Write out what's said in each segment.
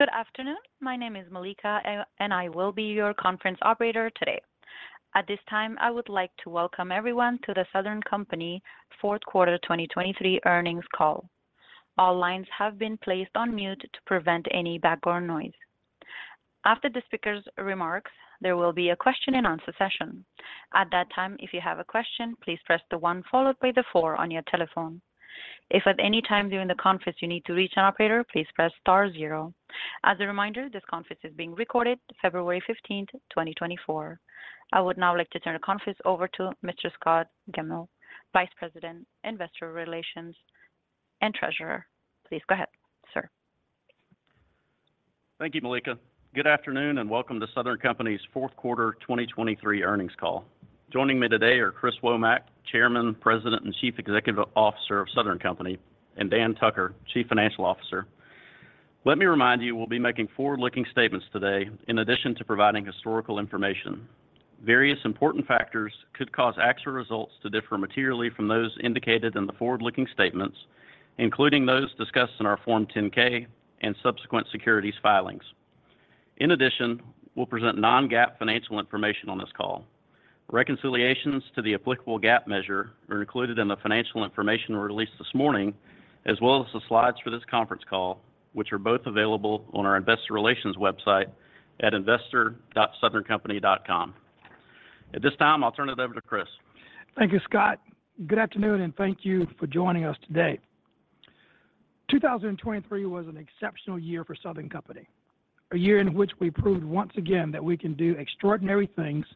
Good afternoon. My name is Malika, and I will be your conference operator today. At this time, I would like to welcome everyone to the Southern Company fourth quarter 2023 earnings call. All lines have been placed on mute to prevent any background noise. After the speaker's remarks, there will be a question-and-answer session. At that time, if you have a question, please press the 1 followed by the 4 on your telephone. If at any time during the conference you need to reach an operator, please press star 0. As a reminder, this conference is being recorded. February 15, 2024. I would now like to turn the conference over to Mr. Scott Gammill, Vice President, Investor Relations, and Treasurer. Please go ahead, sir. Thank you, Malika. Good afternoon and welcome to Southern Company's fourth quarter 2023 earnings call. Joining me today are Chris Womack, Chairman, President, and Chief Executive Officer of Southern Company, and Dan Tucker, Chief Financial Officer. Let me remind you, we'll be making forward-looking statements today in addition to providing historical information. Various important factors could cause actual results to differ materially from those indicated in the forward-looking statements, including those discussed in our Form 10-K and subsequent securities filings. In addition, we'll present non-GAAP financial information on this call. Reconciliations to the applicable GAAP measure are included in the financial information we released this morning, as well as the slides for this conference call, which are both available on our Investor Relations website at investor.southerncompany.com. At this time, I'll turn it over to Chris. Thank you, Scott. Good afternoon, and thank you for joining us today. 2023 was an exceptional year for Southern Company, a year in which we proved once again that we can do extraordinary things,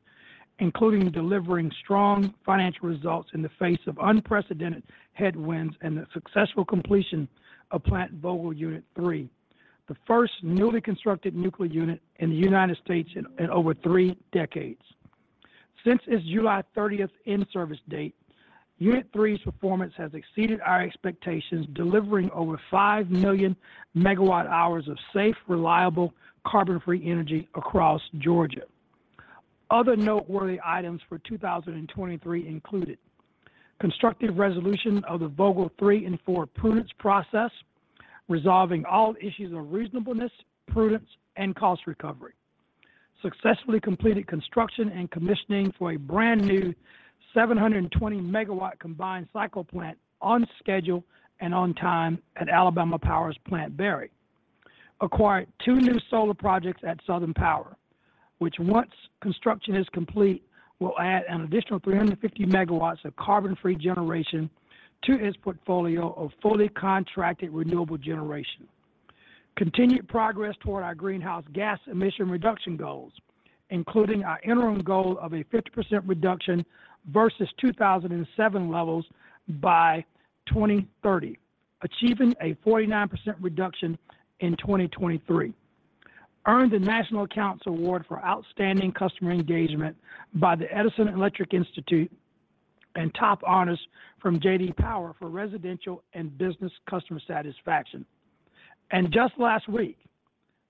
including delivering strong financial results in the face of unprecedented headwinds and the successful completion of Plant Vogtle Unit 3, the first newly constructed nuclear unit in the United States in over three decades. Since its July 30th in-service date, Unit 3's performance has exceeded our expectations, delivering over 5 million megawatt-hours of safe, reliable, carbon-free energy across Georgia. Other noteworthy items for 2023 included constructive resolution of the Vogtle 3 and 4 prudence process, resolving all issues of reasonableness, prudence, and cost recovery. Successfully completed construction and commissioning for a brand new 720-megawatt combined cycle plant on schedule and on time at Alabama Power's Plant Berry. Acquired two new solar projects at Southern Power, which, once construction is complete, will add an additional 350 megawatts of carbon-free generation to its portfolio of fully contracted renewable generation. Continued progress toward our greenhouse gas emission reduction goals, including our interim goal of a 50% reduction versus 2007 levels by 2030, achieving a 49% reduction in 2023. Earned the National Accounts Award for Outstanding Customer Engagement by the Edison Electric Institute. And top honors from J.D. Power for residential and business customer satisfaction. Just last week,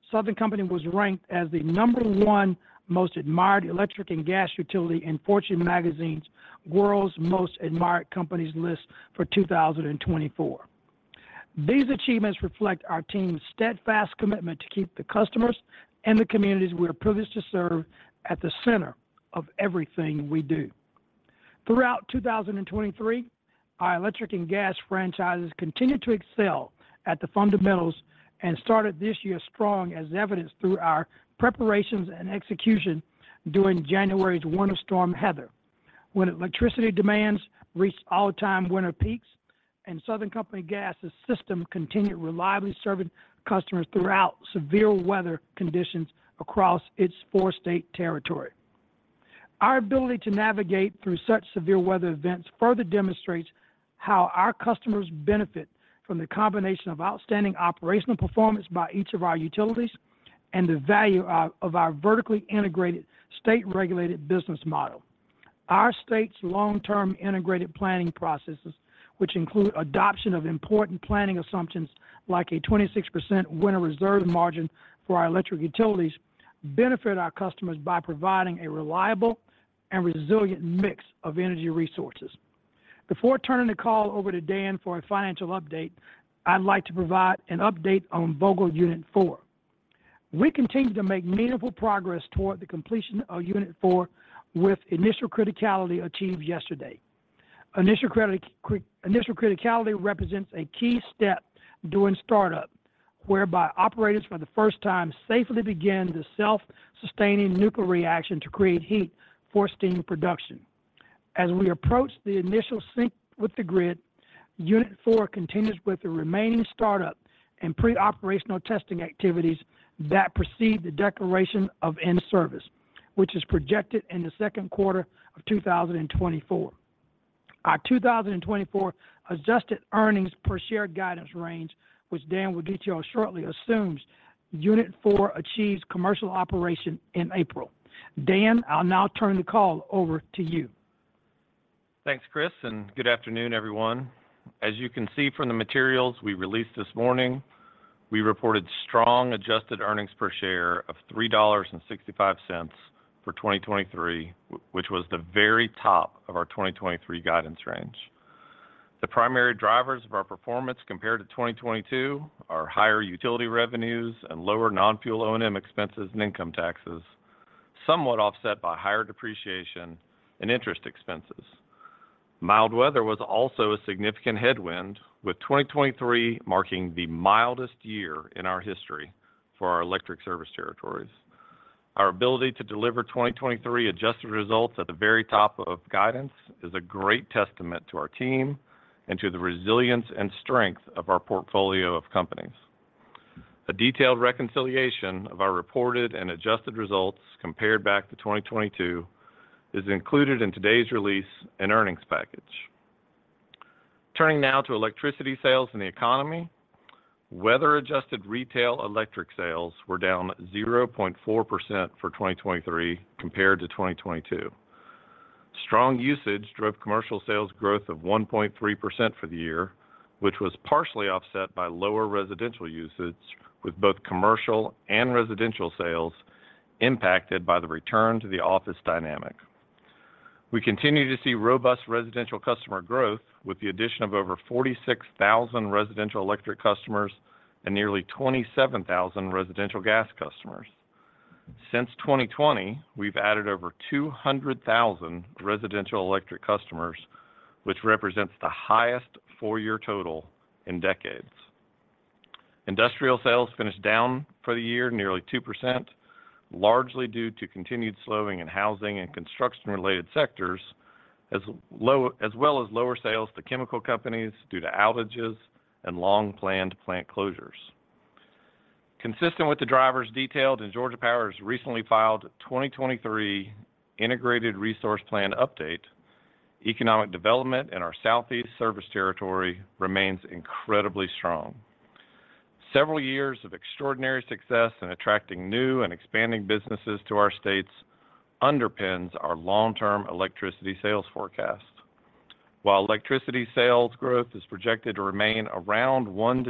Southern Company was ranked as the No. 1 most admired electric and gas utility in Fortune magazine's World's Most Admired Companies list for 2024. These achievements reflect our team's steadfast commitment to keep the customers and the communities we are privileged to serve at the center of everything we do. Throughout 2023, our electric and gas franchises continued to excel at the fundamentals and started this year strong, as evidenced through our preparations and execution during January's winter storm, Heather, when electricity demands reached all-time winter peaks, and Southern Company Gas's system continued reliably serving customers throughout severe weather conditions across its four-state territory. Our ability to navigate through such severe weather events further demonstrates how our customers benefit from the combination of outstanding operational performance by each of our utilities and the value of our vertically integrated, state-regulated business model. Our state's long-term integrated planning processes, which include adoption of important planning assumptions like a 26% winter reserve margin for our electric utilities, benefit our customers by providing a reliable and resilient mix of energy resources. Before turning the call over to Dan for a financial update, I'd like to provide an update on Vogtle Unit 4. We continue to make meaningful progress toward the completion of Unit 4 with initial criticality achieved yesterday. Initial criticality represents a key step during startup whereby operators, for the first time, safely begin the self-sustaining nuclear reaction to create heat for steam production. As we approach the initial sync with the grid, Unit 4 continues with the remaining startup and pre-operational testing activities that precede the declaration of in-service, which is projected in the second quarter of 2024. Our 2024 adjusted earnings per share guidance range, which Dan will detail shortly, assumes Unit 4 achieves commercial operation in April. Dan, I'll now turn the call over to you. Thanks, Chris, and good afternoon, everyone. As you can see from the materials we released this morning, we reported strong adjusted earnings per share of $3.65 for 2023, which was the very top of our 2023 guidance range. The primary drivers of our performance compared to 2022 are higher utility revenues and lower non-fuel O&M expenses and income taxes, somewhat offset by higher depreciation and interest expenses. Mild weather was also a significant headwind, with 2023 marking the mildest year in our history for our electric service territories. Our ability to deliver 2023 adjusted results at the very top of guidance is a great testament to our team and to the resilience and strength of our portfolio of companies. A detailed reconciliation of our reported and adjusted results compared back to 2022 is included in today's release and earnings package. Turning now to electricity sales in the economy, weather-adjusted retail electric sales were down 0.4% for 2023 compared to 2022. Strong usage drove commercial sales growth of 1.3% for the year, which was partially offset by lower residential usage, with both commercial and residential sales impacted by the return-to-the-office dynamic. We continue to see robust residential customer growth with the addition of over 46,000 residential electric customers and nearly 27,000 residential gas customers. Since 2020, we've added over 200,000 residential electric customers, which represents the highest four-year total in decades. Industrial sales finished down for the year nearly 2%, largely due to continued slowing in housing and construction-related sectors, as well as lower sales to chemical companies due to outages and long-planned plant closures. Consistent with the drivers detailed in Georgia Power's recently filed 2023 Integrated Resource Plan update, economic development in our Southeast service territory remains incredibly strong. Several years of extraordinary success in attracting new and expanding businesses to our states underpins our long-term electricity sales forecast. While electricity sales growth is projected to remain around 1%-2%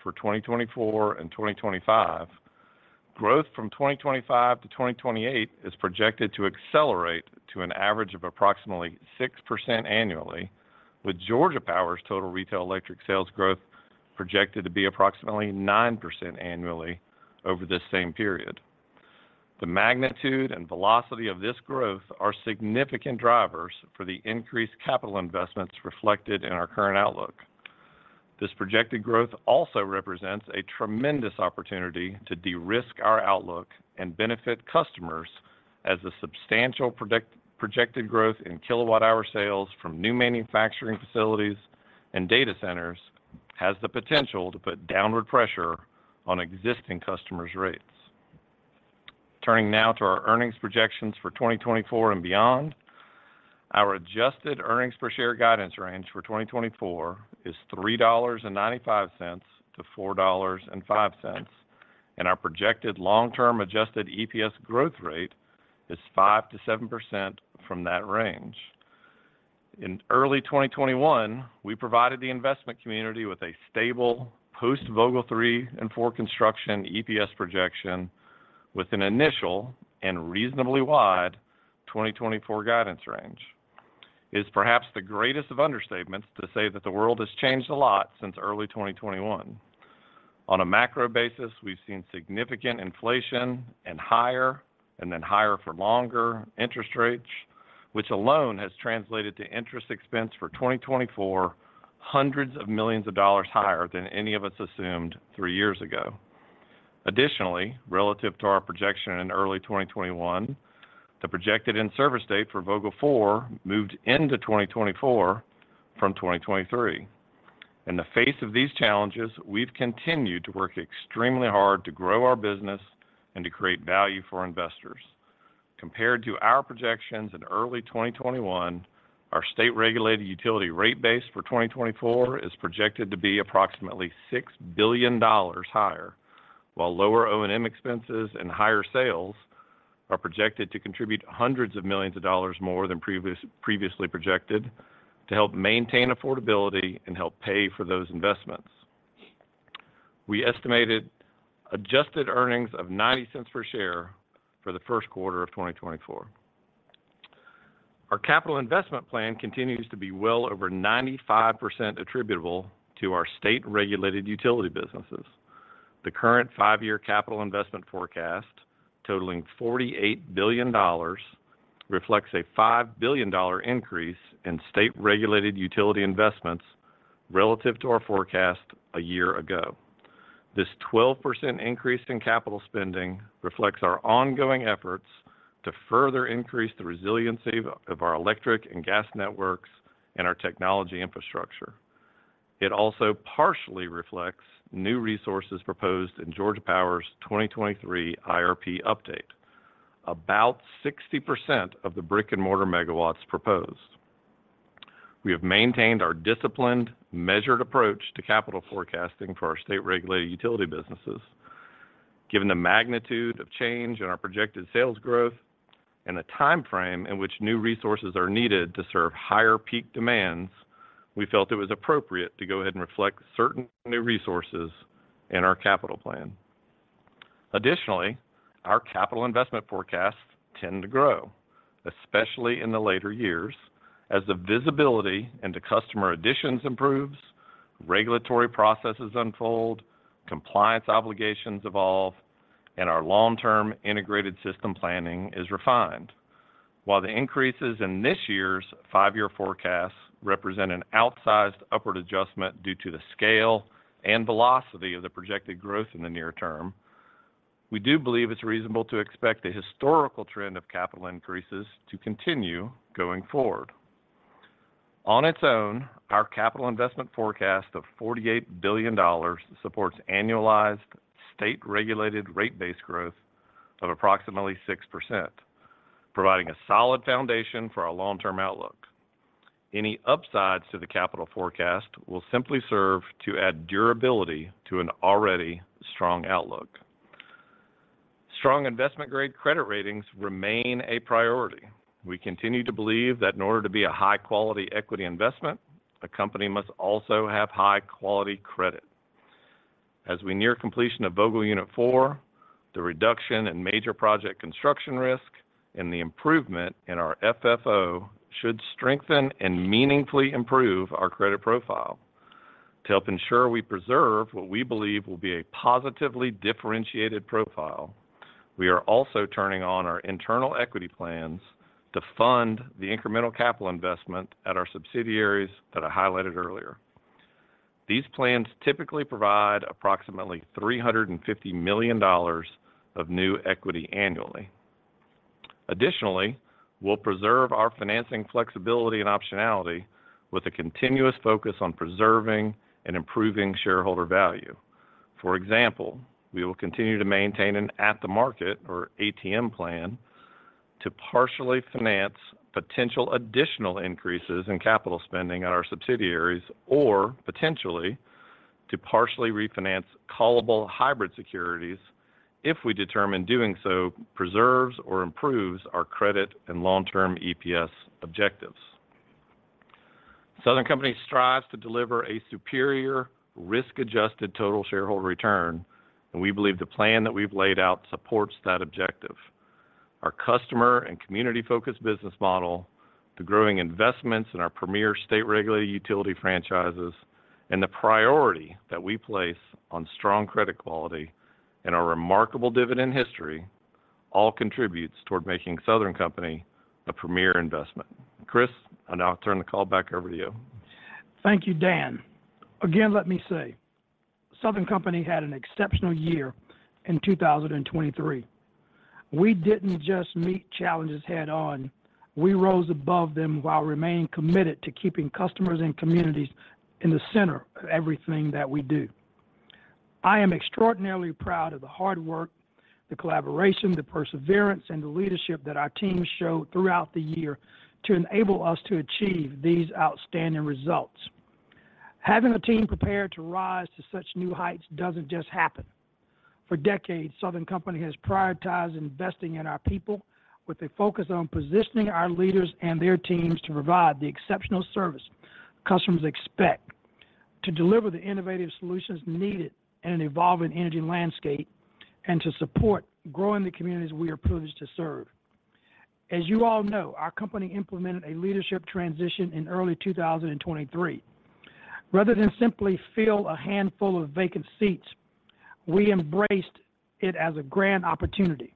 for 2024 and 2025, growth from 2025 to 2028 is projected to accelerate to an average of approximately 6% annually, with Georgia Power's total retail electric sales growth projected to be approximately 9% annually over this same period. The magnitude and velocity of this growth are significant drivers for the increased capital investments reflected in our current outlook. This projected growth also represents a tremendous opportunity to de-risk our outlook and benefit customers, as the substantial projected growth in kilowatt-hour sales from new manufacturing facilities and data centers has the potential to put downward pressure on existing customers' rates. Turning now to our earnings projections for 2024 and beyond, our adjusted earnings per share guidance range for 2024 is $3.95-$4.05, and our projected long-term adjusted EPS growth rate is 5%-7% from that range. In early 2021, we provided the investment community with a stable post-Vogtle 3 and 4 construction EPS projection with an initial and reasonably wide 2024 guidance range. It is perhaps the greatest of understatements to say that the world has changed a lot since early 2021. On a macro basis, we've seen significant inflation and higher and then higher for longer interest rates, which alone has translated to interest expense for 2024 hundreds of millions of dollars higher than any of us assumed three years ago. Additionally, relative to our projection in early 2021, the projected in-service date for Vogtle 4 moved into 2024 from 2023. In the face of these challenges, we've continued to work extremely hard to grow our business and to create value for investors. Compared to our projections in early 2021, our state-regulated utility rate base for 2024 is projected to be approximately $6 billion higher, while lower O&M expenses and higher sales are projected to contribute $hundreds of millions more than previously projected to help maintain affordability and help pay for those investments. We estimated adjusted earnings of $0.0090 per share for the first quarter of 2024. Our capital investment plan continues to be well over 95% attributable to our state-regulated utility businesses. The current five-year capital investment forecast, totaling $48 billion, reflects a $5 billion increase in state-regulated utility investments relative to our forecast a year ago. This 12% increase in capital spending reflects our ongoing efforts to further increase the resiliency of our electric and gas networks and our technology infrastructure. It also partially reflects new resources proposed in Georgia Power's 2023 IRP update, about 60% of the brick-and-mortar megawatts proposed. We have maintained our disciplined, measured approach to capital forecasting for our state-regulated utility businesses. Given the magnitude of change in our projected sales growth and the time frame in which new resources are needed to serve higher peak demands, we felt it was appropriate to go ahead and reflect certain new resources in our capital plan. Additionally, our capital investment forecasts tend to grow, especially in the later years, as the visibility into customer additions improves, regulatory processes unfold, compliance obligations evolve, and our long-term integrated system planning is refined. While the increases in this year's five-year forecast represent an outsized upward adjustment due to the scale and velocity of the projected growth in the near term, we do believe it's reasonable to expect a historical trend of capital increases to continue going forward. On its own, our capital investment forecast of $48 billion supports annualized state-regulated rate base growth of approximately 6%, providing a solid foundation for our long-term outlook. Any upsides to the capital forecast will simply serve to add durability to an already strong outlook. Strong investment-grade credit ratings remain a priority. We continue to believe that in order to be a high-quality equity investment, a company must also have high-quality credit. As we near completion of Vogtle Unit 4, the reduction in major project construction risk and the improvement in our FFO should strengthen and meaningfully improve our credit profile. To help ensure we preserve what we believe will be a positively differentiated profile, we are also turning on our internal equity plans to fund the incremental capital investment at our subsidiaries that I highlighted earlier. These plans typically provide approximately $350 million of new equity annually. Additionally, we'll preserve our financing flexibility and optionality with a continuous focus on preserving and improving shareholder value. For example, we will continue to maintain an at-the-market or ATM plan to partially finance potential additional increases in capital spending at our subsidiaries, or potentially to partially refinance callable hybrid securities if we determine doing so preserves or improves our credit and long-term EPS objectives. Southern Company strives to deliver a superior risk-adjusted total shareholder return, and we believe the plan that we've laid out supports that objective. Our customer and community-focused business model, the growing investments in our premier state-regulated utility franchises, and the priority that we place on strong credit quality and our remarkable dividend history all contribute toward making Southern Company a premier investment. Chris, I'll now turn the call back over to you. Thank you, Dan. Again, let me say, Southern Company had an exceptional year in 2023. We didn't just meet challenges head-on. We rose above them while remaining committed to keeping customers and communities in the center of everything that we do. I am extraordinarily proud of the hard work, the collaboration, the perseverance, and the leadership that our team showed throughout the year to enable us to achieve these outstanding results. Having a team prepared to rise to such new heights doesn't just happen. For decades, Southern Company has prioritized investing in our people with a focus on positioning our leaders and their teams to provide the exceptional service customers expect, to deliver the innovative solutions needed in an evolving energy landscape, and to support growing the communities we are privileged to serve. As you all know, our company implemented a leadership transition in early 2023. Rather than simply fill a handful of vacant seats, we embraced it as a grand opportunity.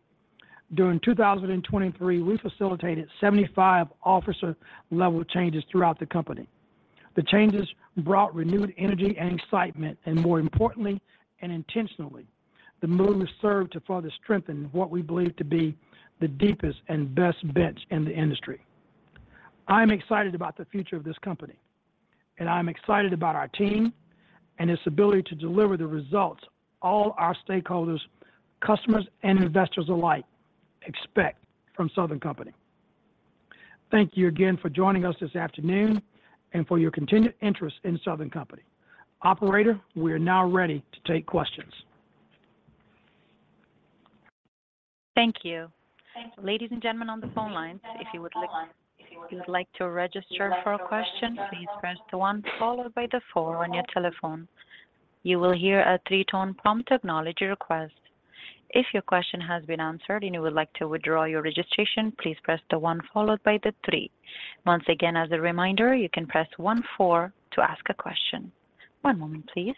During 2023, we facilitated 75 officer-level changes throughout the company. The changes brought renewed energy and excitement, and more importantly, and intentionally, the move served to further strengthen what we believe to be the deepest and best bench in the industry. I am excited about the future of this company, and I am excited about our team and its ability to deliver the results all our stakeholders, customers, and investors alike expect from Southern Company. Thank you again for joining us this afternoon and for your continued interest in Southern Company. Operator, we are now ready to take questions. Thank you. Ladies and gentlemen on the phone lines, if you would like to register for a question, please press the one followed by the four on your telephone. You will hear a three-tone prompt acknowledge request. If your question has been answered and you would like to withdraw your registration, please press the one followed by the three. Once again, as a reminder, you can press one four to ask a question. One moment, please.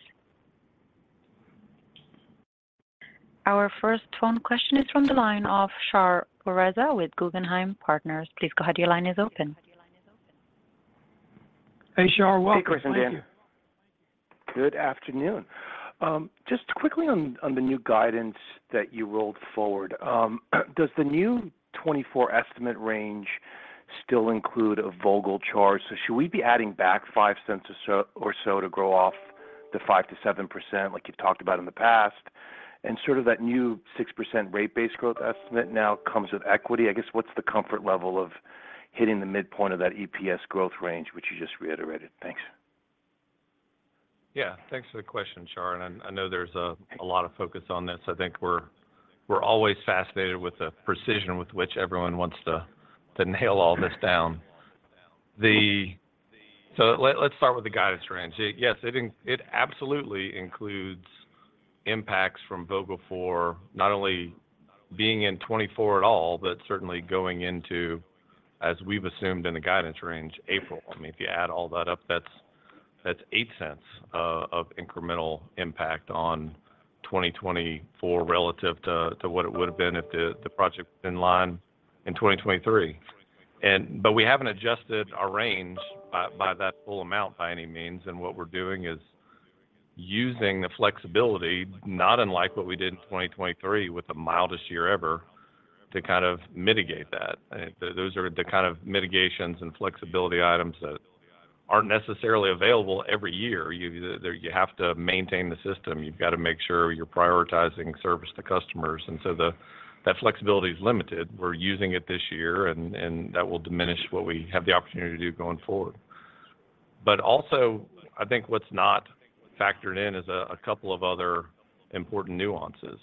Our first phone question is from the line of Shar Pourreza with Guggenheim Partners. Please go ahead. Your line is open. Hey, Shar. Welcome. Hey, Chris and Dan. Thank you. Good afternoon. Just quickly on the new guidance that you rolled forward, does the new 2024 estimate range still include a Vogtle charge? So should we be adding back $0.05 or so to grow off the 5%-7% like you've talked about in the past? And sort of that new 6% rate base growth estimate now comes with equity. I guess what's the comfort level of hitting the midpoint of that EPS growth range, which you just reiterated? Thanks. Yeah. Thanks for the question, Shar. And I know there's a lot of focus on this. I think we're always fascinated with the precision with which everyone wants to nail all this down. So let's start with the guidance range. Yes, it absolutely includes impacts from Vogtle 4, not only being in 2024 at all, but certainly going into, as we've assumed in the guidance range, April. I mean, if you add all that up, that's $0.08 of incremental impact on 2024 relative to what it would have been if the project was in line in 2023. But we haven't adjusted our range by that full amount by any means. And what we're doing is using the flexibility, not unlike what we did in 2023 with the mildest year ever, to kind of mitigate that. Those are the kind of mitigations and flexibility items that aren't necessarily available every year. You have to maintain the system. You've got to make sure you're prioritizing service to customers. And so that flexibility is limited. We're using it this year, and that will diminish what we have the opportunity to do going forward. But also, I think what's not factored in is a couple of other important nuances.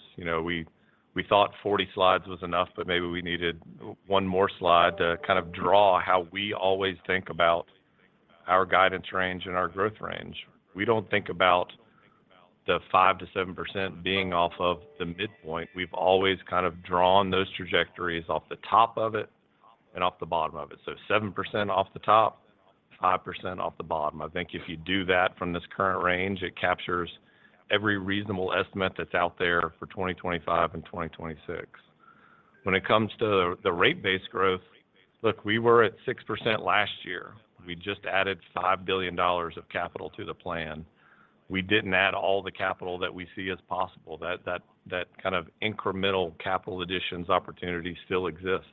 We thought 40 slides was enough, but maybe we needed one more slide to kind of draw how we always think about our guidance range and our growth range. We don't think about the 5%-7% being off of the midpoint. We've always kind of drawn those trajectories off the top of it and off the bottom of it. So 7% off the top, 5% off the bottom. I think if you do that from this current range, it captures every reasonable estimate that's out there for 2025 and 2026. When it comes to the rate base growth, look, we were at 6% last year. We just added $5 billion of capital to the plan. We didn't add all the capital that we see as possible. That kind of incremental capital additions opportunity still exists.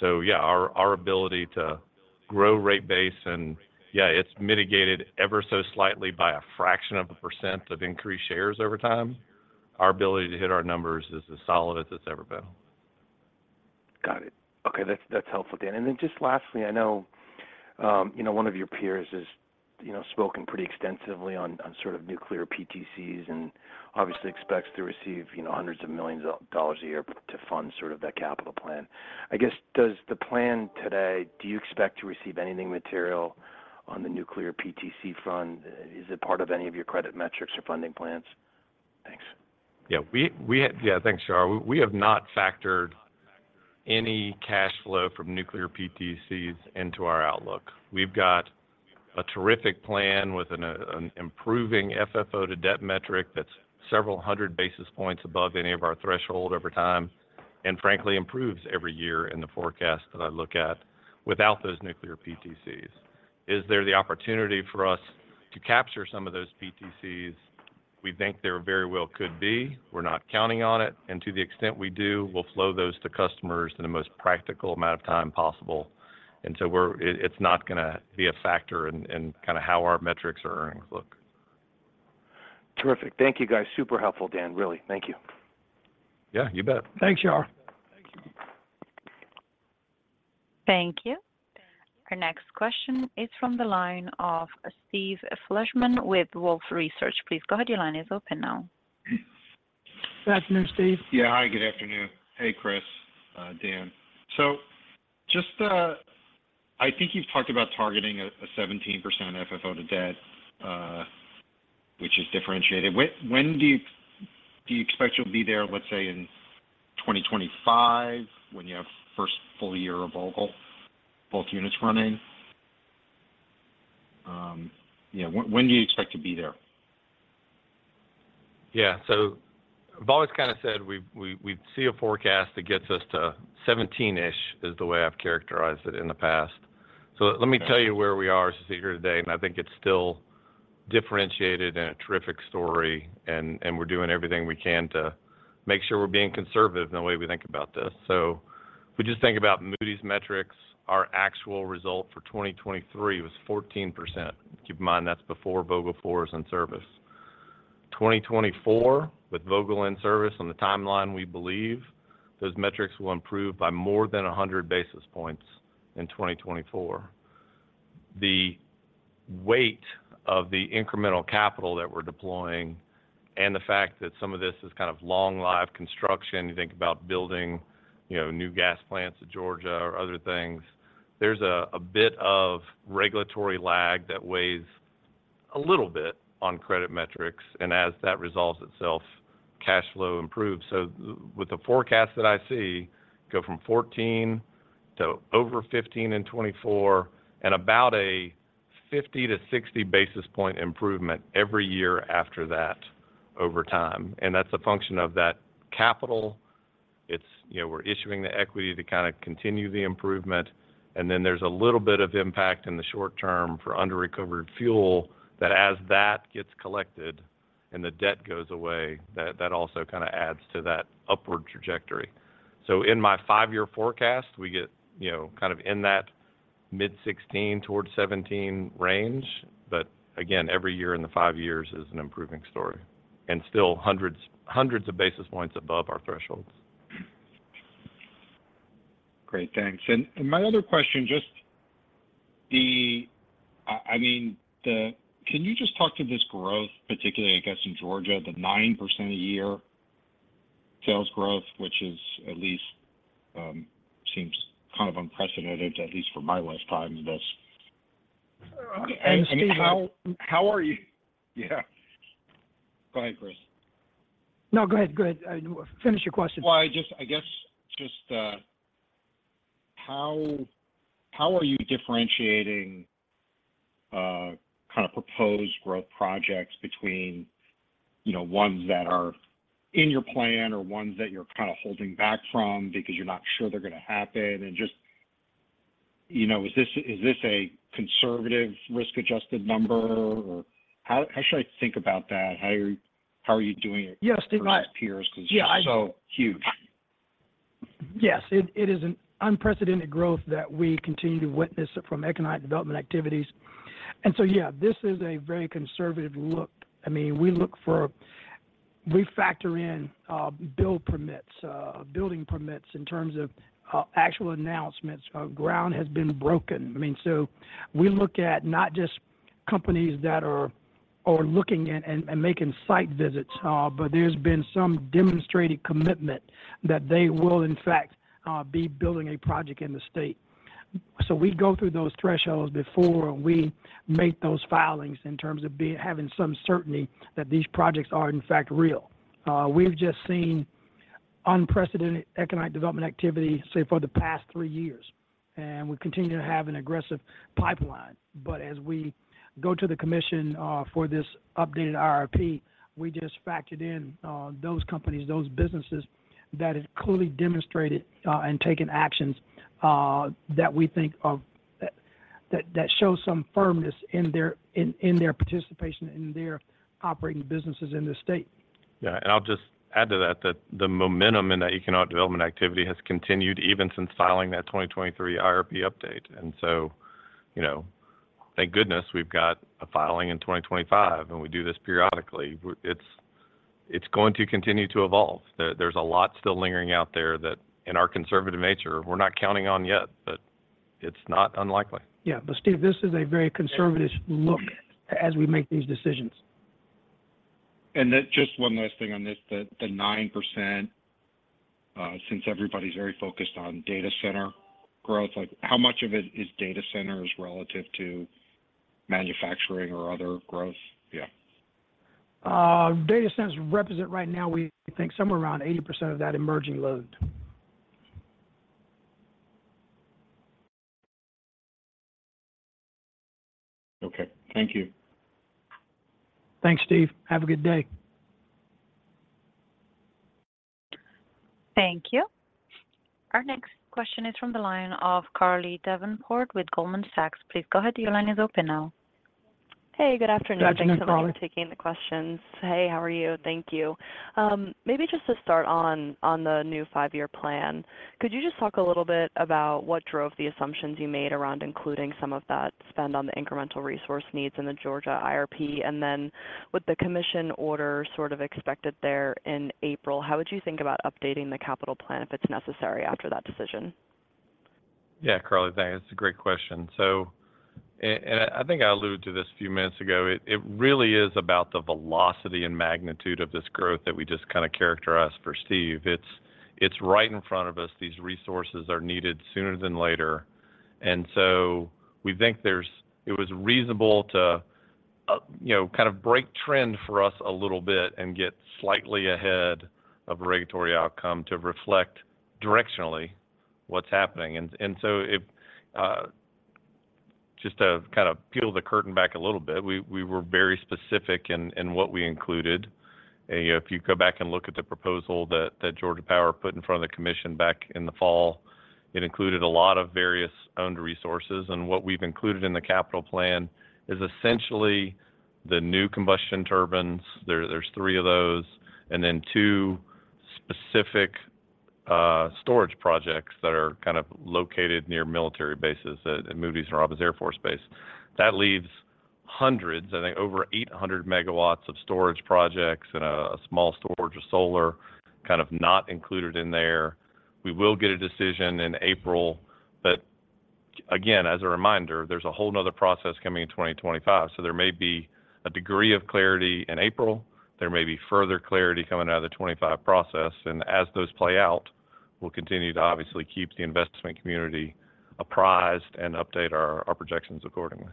So yeah, our ability to grow rate base and yeah, it's mitigated ever so slightly by a fraction of a percent of increased shares over time. Our ability to hit our numbers is as solid as it's ever been. Got it. Okay. That's helpful, Dan. And then just lastly, I know one of your peers has spoken pretty extensively on sort of nuclear PTCs and obviously expects to receive $hundreds of millions a year to fund sort of that capital plan. I guess does the plan today do you expect to receive anything material on the nuclear PTC front? Is it part of any of your credit metrics or funding plans? Thanks. Yeah. Yeah. Thanks, Shar. We have not factored any cash flow from nuclear PTCs into our outlook. We've got a terrific plan with an improving FFO to debt metric that's several hundred basis points above any of our threshold over time and, frankly, improves every year in the forecast that I look at without those nuclear PTCs. Is there the opportunity for us to capture some of those PTCs? We think there very well could be. We're not counting on it. And to the extent we do, we'll flow those to customers in the most practical amount of time possible. And so it's not going to be a factor in kind of how our metrics or earnings look. Terrific. Thank you, guys. Super helpful, Dan. Really. Thank you. Yeah. You bet. Thanks, Shar. Thank you. Our next question is from the line of Steve Fleishman with Wolfe Research. Please go ahead. Your line is open now. Good afternoon, Steve. Yeah. Hi. Good afternoon. Hey, Chris, Dan. So I think you've talked about targeting a 17% FFO to Debt, which is differentiated. When do you expect you'll be there, let's say, in 2025 when you have first full year of Vogtle, both units running? Yeah. When do you expect to be there? Yeah. So I've always kind of said we see a forecast that gets us to 17-ish is the way I've characterized it in the past. So let me tell you where we are as of here today. And I think it's still differentiated and a terrific story. And we're doing everything we can to make sure we're being conservative in the way we think about this. So if we just think about Moody's metrics, our actual result for 2023 was 14%. Keep in mind, that's before Vogtle 4 is in service. 2024, with Vogtle in service on the timeline, we believe those metrics will improve by more than 100 basis points in 2024. The weight of the incremental capital that we're deploying and the fact that some of this is kind of long-lived construction, you think about building new gas plants in Georgia or other things, there's a bit of regulatory lag that weighs a little bit on credit metrics. As that resolves itself, cash flow improves. With the forecast that I see, go from 14 to over 15 in 2024 and about a 50-60 basis point improvement every year after that over time. That's a function of that capital. We're issuing the equity to kind of continue the improvement. Then there's a little bit of impact in the short term for under-recovered fuel that as that gets collected and the debt goes away, that also kind of adds to that upward trajectory. In my five-year forecast, we get kind of in that mid-16 towards 17 range. But again, every year in the five years is an improving story and still hundreds of basis points above our thresholds. Great. Thanks. And my other question, just I mean, can you just talk to this growth, particularly, I guess, in Georgia, the 9% a year sales growth, which at least seems kind of unprecedented, at least for my lifetime in this? Steve, how are you? Yeah. Go ahead, Chris. No, go ahead. Go ahead. Finish your question. Well, I guess just how are you differentiating kind of proposed growth projects between ones that are in your plan or ones that you're kind of holding back from because you're not sure they're going to happen? And just is this a conservative risk-adjusted number, or how should I think about that? How are you doing it with your peers because it's so huge? Yes. It is an unprecedented growth that we continue to witness from economic development activities. And so yeah, this is a very conservative look. I mean, we factor in building permits in terms of actual announcements. Ground has been broken. I mean, so we look at not just companies that are looking and making site visits, but there's been some demonstrated commitment that they will, in fact, be building a project in the state. So we go through those thresholds before we make those filings in terms of having some certainty that these projects are, in fact, real. We've just seen unprecedented economic development activity, say, for the past three years. And we continue to have an aggressive pipeline. But as we go to the commission for this updated IRP, we just factored in those companies, those businesses that have clearly demonstrated and taken actions that we think of that show some firmness in their participation in their operating businesses in the state. Yeah. I'll just add to that that the momentum in that economic development activity has continued even since filing that 2023 IRP update. So thank goodness we've got a filing in 2025, and we do this periodically. It's going to continue to evolve. There's a lot still lingering out there that, in our conservative nature, we're not counting on yet, but it's not unlikely. Yeah. But Steve, this is a very conservative look as we make these decisions. Just one last thing on this, the 9% since everybody's very focused on data center growth, how much of it is data centers relative to manufacturing or other growth? Yeah. Data centers represent right now, we think, somewhere around 80% of that emerging load. Okay. Thank you. Thanks, Steve. Have a good day. Thank you. Our next question is from the line of Carly Davenport with Goldman Sachs. Please go ahead. Your line is open now. Hey. Good afternoon. Thanks for allowing me to take in the questions. Hey. How are you? Thank you. Maybe just to start on the new five-year plan, could you just talk a little bit about what drove the assumptions you made around including some of that spend on the incremental resource needs in the Georgia IRP? And then with the commission order sort of expected there in April, how would you think about updating the capital plan if it's necessary after that decision? Yeah. Carly, thanks. It's a great question. And I think I alluded to this a few minutes ago. It really is about the velocity and magnitude of this growth that we just kind of characterized for Steve. It's right in front of us. These resources are needed sooner than later. And so we think it was reasonable to kind of break trend for us a little bit and get slightly ahead of regulatory outcome to reflect directionally what's happening. And so just to kind of peel the curtain back a little bit, we were very specific in what we included. If you go back and look at the proposal that Georgia Power put in front of the commission back in the fall, it included a lot of various owned resources. And what we've included in the capital plan is essentially the new combustion turbines. There's 3 of those. And then 2 specific storage projects that are kind of located near military bases at Moody Air Force Base and Robins Air Force Base. That leaves hundreds, I think, over 800 MW of storage projects and a small storage of solar kind of not included in there. We will get a decision in April. But again, as a reminder, there's a whole nother process coming in 2025. So there may be a degree of clarity in April. There may be further clarity coming out of the 2025 process. And as those play out, we'll continue to obviously keep the investment community apprised and update our projections accordingly.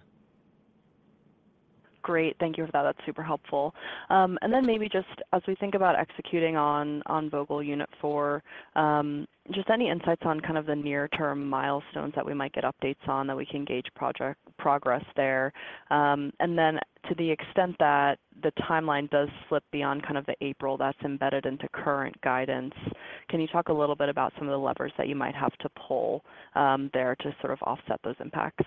Great. Thank you for that. That's super helpful. And then maybe just as we think about executing on Vogtle Unit 4, just any insights on kind of the near-term milestones that we might get updates on that we can gauge progress there. And then to the extent that the timeline does slip beyond kind of the April that's embedded into current guidance, can you talk a little bit about some of the levers that you might have to pull there to sort of offset those impacts?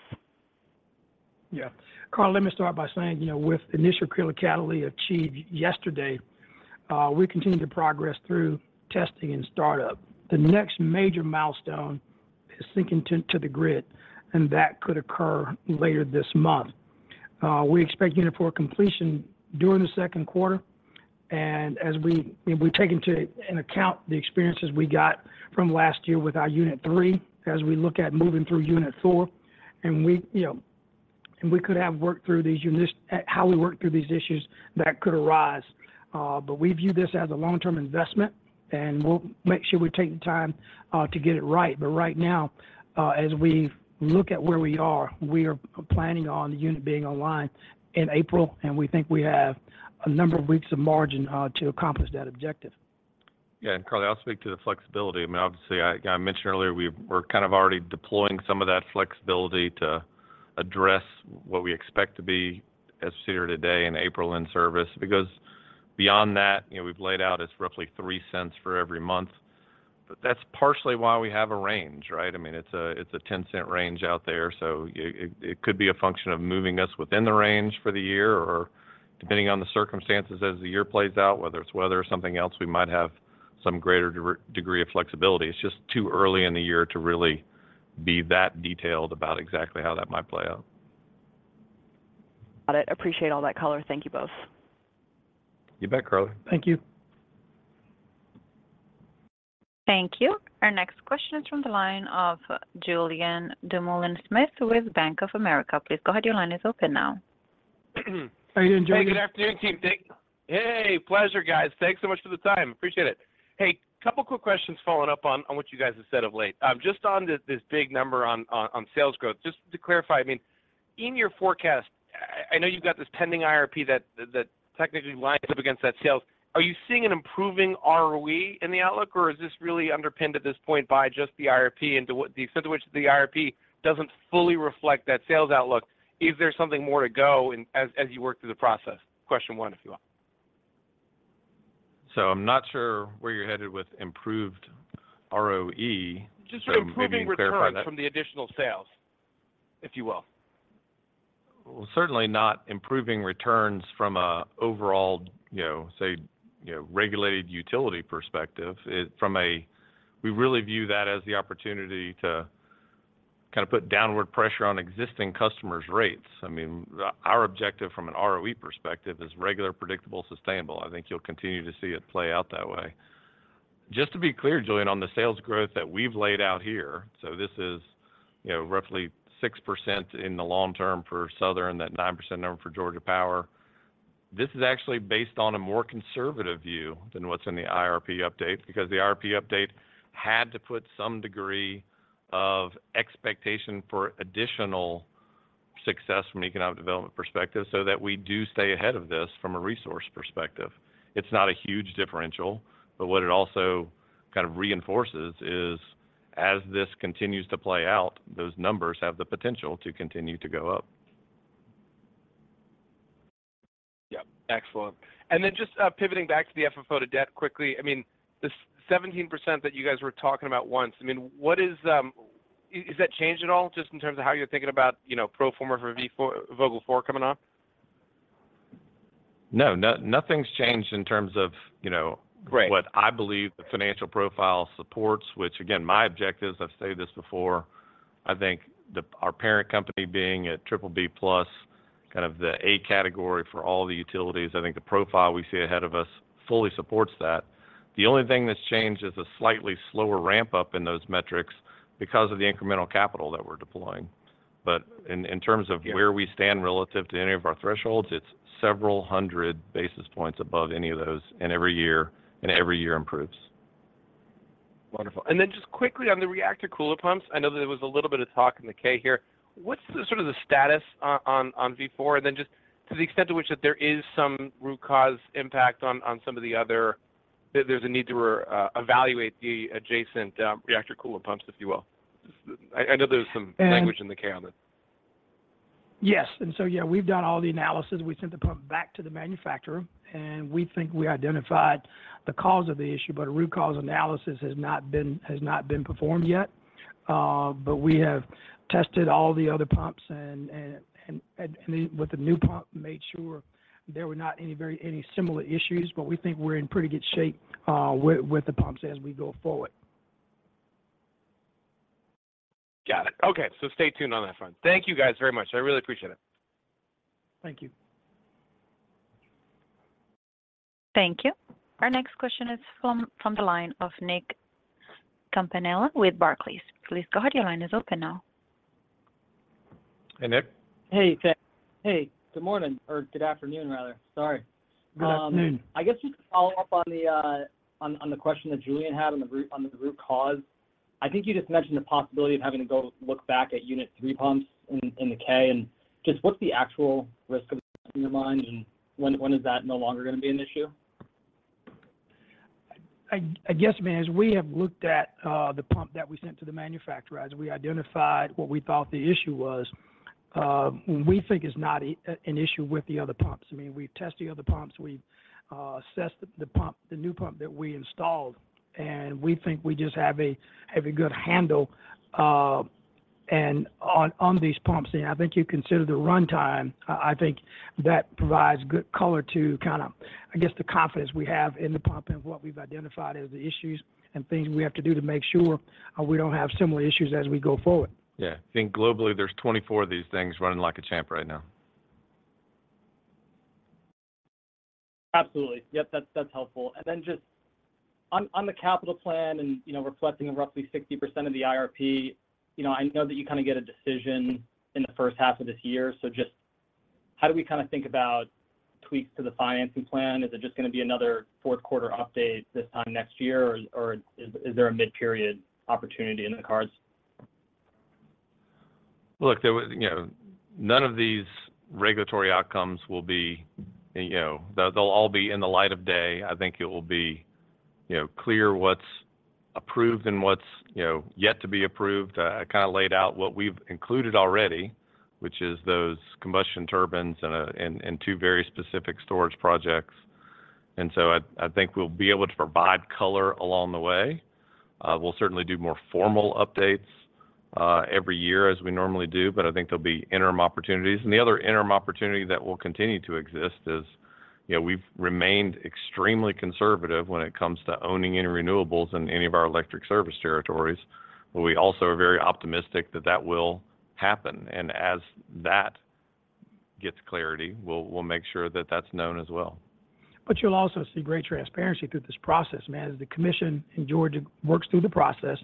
Yeah. Carly, let me start by saying with initial criticality achieved yesterday, we continue to progress through testing and startup. The next major milestone is syncing to the grid, and that could occur later this month. We expect Unit 4 completion during the second quarter. We take into account the experiences we got from last year with our Unit 3 as we look at moving through Unit 4. And we could have worked through these as we worked through these issues that could arise. But we view this as a long-term investment, and we'll make sure we take the time to get it right. But right now, as we look at where we are, we are planning on the unit being online in April. And we think we have a number of weeks of margin to accomplish that objective. Yeah. And Carly, I'll speak to the flexibility. I mean, obviously, I mentioned earlier we're kind of already deploying some of that flexibility to address what we expect to be as of here today in April in service because beyond that, we've laid out it's roughly $0.03 for every month. But that's partially why we have a range, right? I mean, it's a $0.10 range out there. So it could be a function of moving us within the range for the year or depending on the circumstances as the year plays out, whether it's weather or something else, we might have some greater degree of flexibility. It's just too early in the year to really be that detailed about exactly how that might play out. Got it. Appreciate all that color. Thank you both. You bet, Carly. Thank you. Thank you. Our next question is from the line of Julien Dumoulin-Smith with Bank of America. Please go ahead. Your line is open now. Hey, then, Julian. Hey. Good afternoon, team. Hey. Pleasure, guys. Thanks so much for the time. Appreciate it. Hey, a couple of quick questions following up on what you guys have said of late. Just on this big number on sales growth, just to clarify, I mean, in your forecast, I know you've got this pending IRP that technically lines up against that sales. Are you seeing an improving ROE in the outlook, or is this really underpinned at this point by just the IRP and to the extent to which the IRP doesn't fully reflect that sales outlook? Is there something more to go as you work through the process? Question one, if you will. I'm not sure where you're headed with improved ROE. Just improving returns from the additional sales, if you will. Well, certainly not improving returns from an overall, say, regulated utility perspective. We really view that as the opportunity to kind of put downward pressure on existing customers' rates. I mean, our objective from an ROE perspective is regular, predictable, sustainable. I think you'll continue to see it play out that way. Just to be clear, Julian, on the sales growth that we've laid out here, so this is roughly 6% in the long term for Southern, that 9% number for Georgia Power, this is actually based on a more conservative view than what's in the IRP update because the IRP update had to put some degree of expectation for additional success from an economic development perspective so that we do stay ahead of this from a resource perspective. It's not a huge differential, but what it also kind of reinforces is as this continues to play out, those numbers have the potential to continue to go up. Yep. Excellent. Then just pivoting back to the FFO to debt quickly, I mean, this 17% that you guys were talking about once, I mean, is that changed at all just in terms of how you're thinking about pro forma for Vogtle 4 coming on? No. Nothing's changed in terms of what I believe the financial profile supports, which, again, my objectives, I've stated this before, I think our parent company being at BBB+, kind of the A category for all the utilities, I think the profile we see ahead of us fully supports that. The only thing that's changed is a slightly slower ramp-up in those metrics because of the incremental capital that we're deploying. But in terms of where we stand relative to any of our thresholds, it's several hundred basis points above any of those and every year, and every year improves. Wonderful. And then just quickly on the reactor coolant pumps, I know that there was a little bit of talk in the 10-K here. What's sort of the status on V4? And then just to the extent to which there is some root cause impact on some of the others, there's a need to evaluate the adjacent reactor coolant pumps, if you will. I know there's some language in the 10-K on that. Yes. So yeah, we've done all the analysis. We sent the pump back to the manufacturer, and we think we identified the cause of the issue, but a root cause analysis has not been performed yet. But we have tested all the other pumps, and with the new pump, made sure there were not any similar issues. But we think we're in pretty good shape with the pumps as we go forward. Got it. Okay. So stay tuned on that front. Thank you guys very much. I really appreciate it. Thank you. Thank you. Our next question is from the line of Nick Campanella with Barclays. Please go ahead. Your line is open now. Hey, Nick. Hey. Hey. Good morning or good afternoon, rather. Sorry. Good afternoon. I guess just to follow up on the question that Julian had on the root cause, I think you just mentioned the possibility of having to go look back at Unit 3 pumps in the K. Just what's the actual risk of that in your mind, and when is that no longer going to be an issue? I guess, man, as we have looked at the pump that we sent to the manufacturer, as we identified what we thought the issue was, we think it's not an issue with the other pumps. I mean, we've tested the other pumps. We've assessed the new pump that we installed, and we think we just have a good handle on these pumps. And I think you consider the runtime. I think that provides good color to kind of, I guess, the confidence we have in the pump and what we've identified as the issues and things we have to do to make sure we don't have similar issues as we go forward. Yeah. I think globally, there's 24 of these things running like a champ right now. Absolutely. Yep. That's helpful. Just on the capital plan and reflecting on roughly 60% of the IRP, I know that you kind of get a decision in the first half of this year. Just how do we kind of think about tweaks to the financing plan? Is it just going to be another fourth-quarter update this time next year, or is there a mid-period opportunity in the cards? Look, none of these regulatory outcomes will be. They'll all be in the light of day. I think it will be clear what's approved and what's yet to be approved. I kind of laid out what we've included already, which is those combustion turbines and two very specific storage projects. And so I think we'll be able to provide color along the way. We'll certainly do more formal updates every year as we normally do, but I think there'll be interim opportunities. And the other interim opportunity that will continue to exist is we've remained extremely conservative when it comes to owning any renewables in any of our electric service territories, but we also are very optimistic that that will happen. And as that gets clarity, we'll make sure that that's known as well. But you'll also see great transparency through this process, man. As the commission in Georgia works through the process,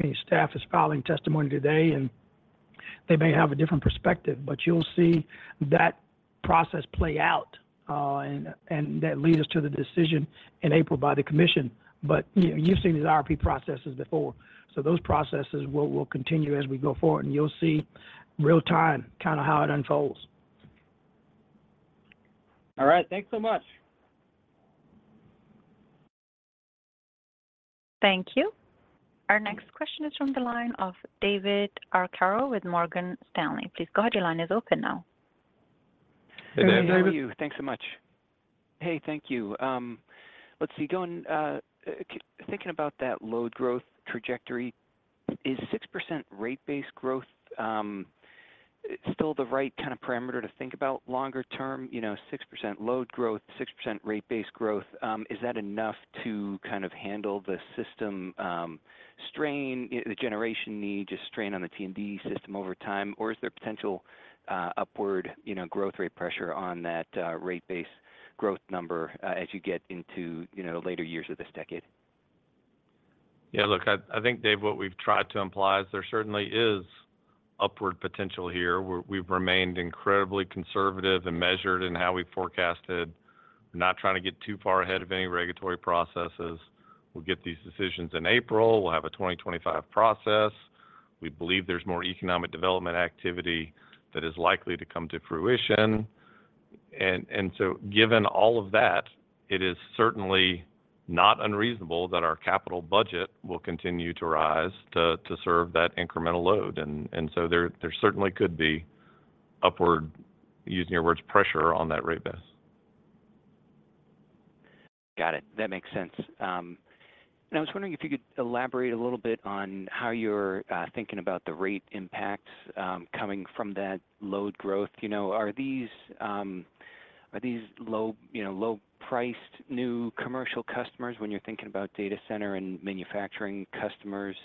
I mean, staff is filing testimony today, and they may have a different perspective, but you'll see that process play out, and that leads us to the decision in April by the commission. But you've seen these IRP processes before. So those processes will continue as we go forward, and you'll see real-time kind of how it unfolds. All right. Thanks so much. Thank you. Our next question is from the line of David Arcaro with Morgan Stanley. Please go ahead. Your line is open now. Hey, David. Hey, how are you? Thanks so much. Hey, thank you. Let's see. Thinking about that load growth trajectory, is 6% rate-based growth still the right kind of parameter to think about longer term? 6% load growth, 6% rate-based growth, is that enough to kind of handle the system strain, the generation need, just strain on the T&D system over time, or is there potential upward growth rate pressure on that rate-based growth number as you get into later years of this decade? Yeah. Look, I think, Dave, what we've tried to imply is there certainly is upward potential here. We've remained incredibly conservative and measured in how we forecasted. We're not trying to get too far ahead of any regulatory processes. We'll get these decisions in April. We'll have a 2025 process. We believe there's more economic development activity that is likely to come to fruition. And so given all of that, it is certainly not unreasonable that our capital budget will continue to rise to serve that incremental load. And so there certainly could be upward, using your words, pressure on that rate base. Got it. That makes sense. And I was wondering if you could elaborate a little bit on how you're thinking about the rate impacts coming from that load growth. Are these low-priced new commercial customers when you're thinking about data center and manufacturing customers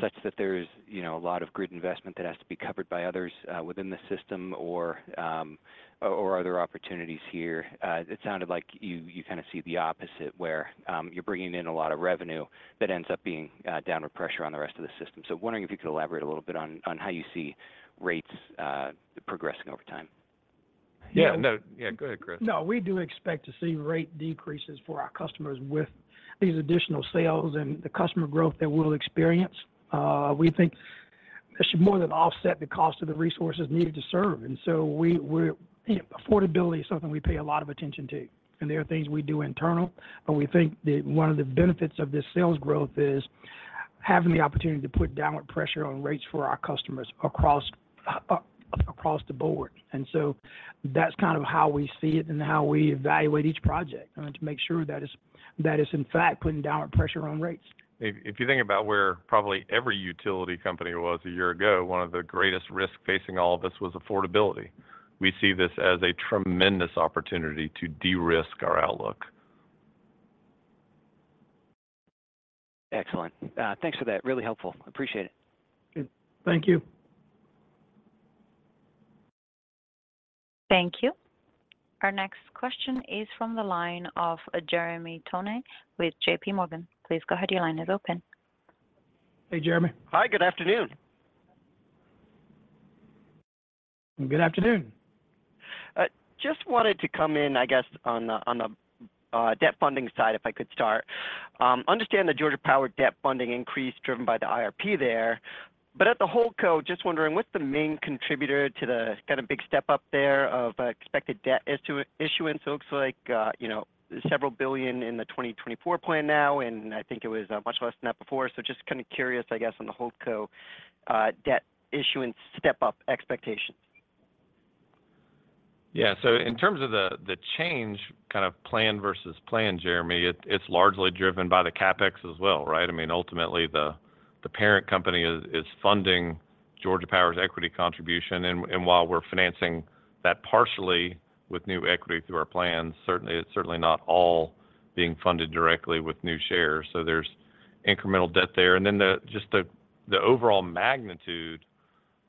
such that there's a lot of grid investment that has to be covered by others within the system, or are there opportunities here? It sounded like you kind of see the opposite where you're bringing in a lot of revenue that ends up being downward pressure on the rest of the system. So wondering if you could elaborate a little bit on how you see rates progressing over time. Yeah. No. Yeah. Go ahead, Chris. No, we do expect to see rate decreases for our customers with these additional sales and the customer growth that we'll experience. We think that should more than offset the cost of the resources needed to serve. And so affordability is something we pay a lot of attention to. And there are things we do internal, but we think that one of the benefits of this sales growth is having the opportunity to put downward pressure on rates for our customers across the board. And so that's kind of how we see it and how we evaluate each project, to make sure that it's, in fact, putting downward pressure on rates. If you think about where probably every utility company was a year ago, one of the greatest risks facing all of this was affordability. We see this as a tremendous opportunity to de-risk our outlook. Excellent. Thanks for that. Really helpful. Appreciate it. Thank you. Thank you. Our next question is from the line of Jeremy Tonet with J.P. Morgan. Please go ahead. Your line is open. Hey, Jeremy. Hi. Good afternoon. Good afternoon. Just wanted to come in, I guess, on the debt funding side if I could start. Understand the Georgia Power debt funding increase driven by the IRP there, but at the Holdco, just wondering, what's the main contributor to the kind of big step up there of expected debt issuance? It looks like $several billion in the 2024 plan now, and I think it was much less than that before. So just kind of curious, I guess, on the Holdco debt issuance step-up expectations. Yeah. So in terms of the change kind of plan versus plan, Jeremy, it's largely driven by the CapEx as well, right? I mean, ultimately, the parent company is funding Georgia Power's equity contribution. And while we're financing that partially with new equity through our plans, certainly it's certainly not all being funded directly with new shares. So there's incremental debt there. And then just the overall magnitude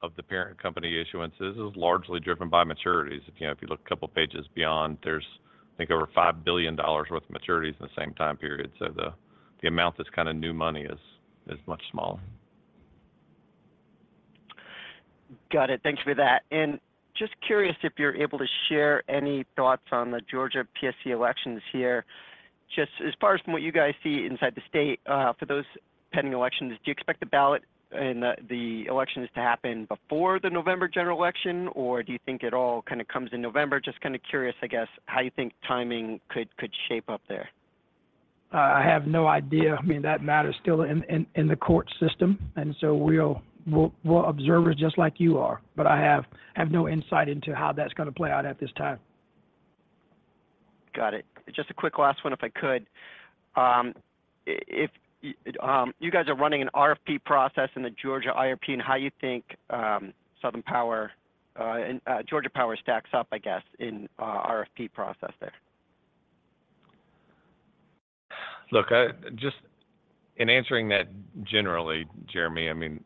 of the parent company issuances is largely driven by maturities. If you look a couple of pages beyond, there's, I think, over $5 billion worth of maturities in the same time period. So the amount that's kind of new money is much smaller. Got it. Thanks for that. And just curious if you're able to share any thoughts on the Georgia PSC elections here. Just as far as from what you guys see inside the state, for those pending elections, do you expect the ballot and the elections to happen before the November general election, or do you think it all kind of comes in November? Just kind of curious, I guess, how you think timing could shape up there. I have no idea. I mean, that matters still in the court system. And so we're observers just like you are, but I have no insight into how that's going to play out at this time. Got it. Just a quick last one, if I could. You guys are running an RFP process in the Georgia IRP, and how do you think Southern Power and Georgia Power stacks up, I guess, in RFP process there? Look, just in answering that generally, Jeremy, I mean,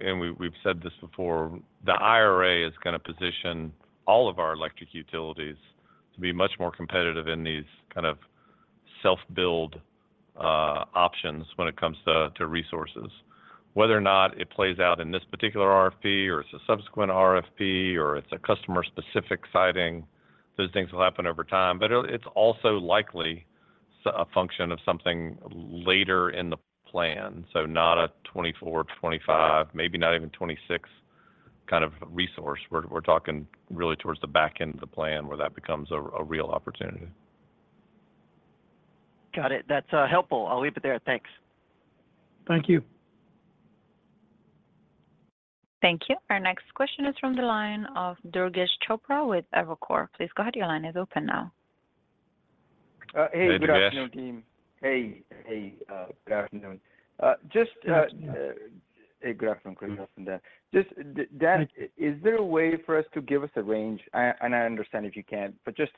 and we've said this before, the IRA is going to position all of our electric utilities to be much more competitive in these kind of self-build options when it comes to resources. Whether or not it plays out in this particular RFP or it's a subsequent RFP or it's a customer-specific siting, those things will happen over time. But it's also likely a function of something later in the plan, so not a 2024, 2025, maybe not even 2026 kind of resource. We're talking really towards the back end of the plan where that becomes a real opportunity. Got it. That's helpful. I'll leave it there. Thanks. Thank you. Thank you. Our next question is from the line of Durgesh Chopra with Evercore. Please go ahead. Your line is open now. Hey, good afternoon, team. Hey. Hey. Good afternoon. Good afternoon. Hey, good afternoon, Chris. Just, is there a way for us to give us a range? And I understand if you can, but just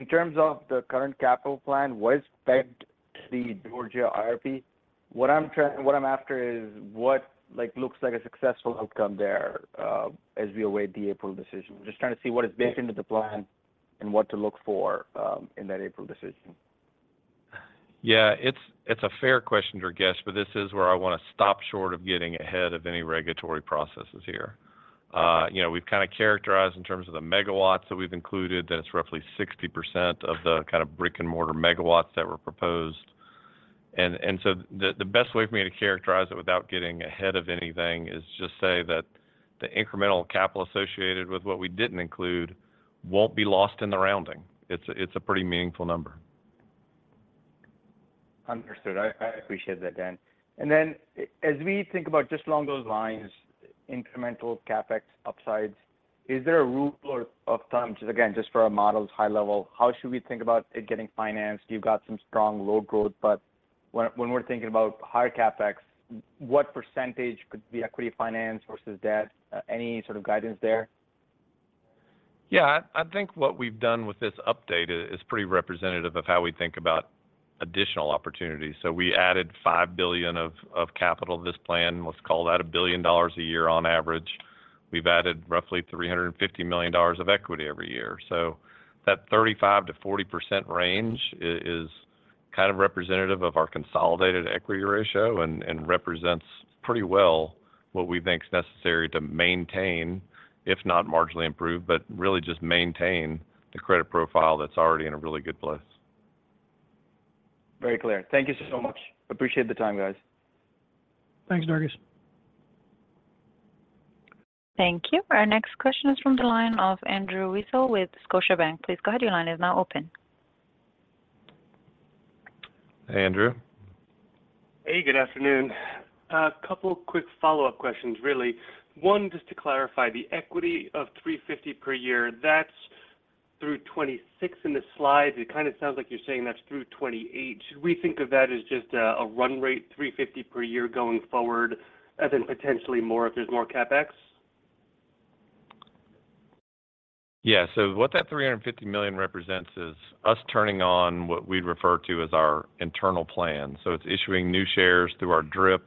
in terms of the current capital plan, what is spent the Georgia IRP? What I'm after is what looks like a successful outcome there as we await the April decision. Just trying to see what is baked into the plan and what to look for in that April decision. Yeah. It's a fair question, Durgesh, but this is where I want to stop short of getting ahead of any regulatory processes here. We've kind of characterized in terms of the megawatts that we've included that it's roughly 60% of the kind of brick-and-mortar megawatts that were proposed. And so the best way for me to characterize it without getting ahead of anything is just say that the incremental capital associated with what we didn't include won't be lost in the rounding. It's a pretty meaningful number. Understood. I appreciate that, Dan. Then as we think about just along those lines, incremental CapEx upsides, is there a rule of thumb? Again, just for our models, high level, how should we think about it getting financed? You've got some strong load growth, but when we're thinking about higher CapEx, what percentage could be equity finance versus debt? Any sort of guidance there? Yeah. I think what we've done with this update is pretty representative of how we think about additional opportunities. So we added $5 billion of capital to this plan. Let's call that $1 billion a year on average. We've added roughly $350 million of equity every year. So that 35%-40% range is kind of representative of our consolidated equity ratio and represents pretty well what we think's necessary to maintain, if not marginally improve, but really just maintain the credit profile that's already in a really good place. Very clear. Thank you so much. Appreciate the time, guys. Thanks, Durgesh. Thank you. Our next question is from the line of Andrew Weisel with Scotiabank. Please go ahead. Your line is now open. Hey, Andrew. Hey. Good afternoon. A couple of quick follow-up questions, really. One, just to clarify, the equity of $350 per year, that's through 2026 in the slides. It kind of sounds like you're saying that's through 2028. Should we think of that as just a run rate, $350 per year going forward, and then potentially more if there's more CapEx? Yeah. So what that $350 million represents is us turning on what we'd refer to as our internal plan. So it's issuing new shares through our DRIP,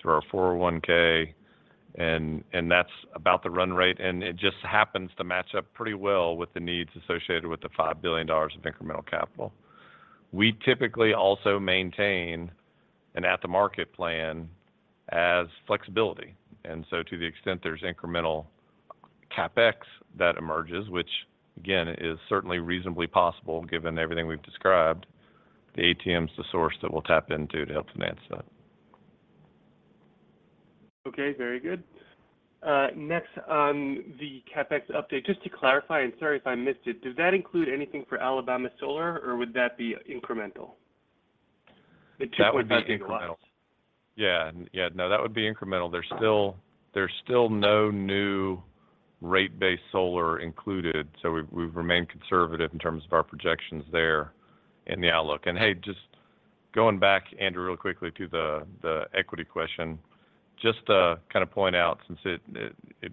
through our 401(k), and that's about the run rate. And it just happens to match up pretty well with the needs associated with the $5 billion of incremental capital. We typically also maintain an at-the-market plan as flexibility. And so to the extent there's incremental CapEx that emerges, which, again, is certainly reasonably possible given everything we've described, the ATM's the source that we'll tap into to help finance that. Okay. Very good. Next, on the CapEx update, just to clarify and sorry if I missed it, does that include anything for Alabama Solar, or would that be incremental? The $2.8 billion. Yeah. Yeah. No, that would be incremental. There's still no new rate-based solar included, so we've remained conservative in terms of our projections there in the outlook. And hey, just going back, Andrew, really quickly to the equity question, just to kind of point out since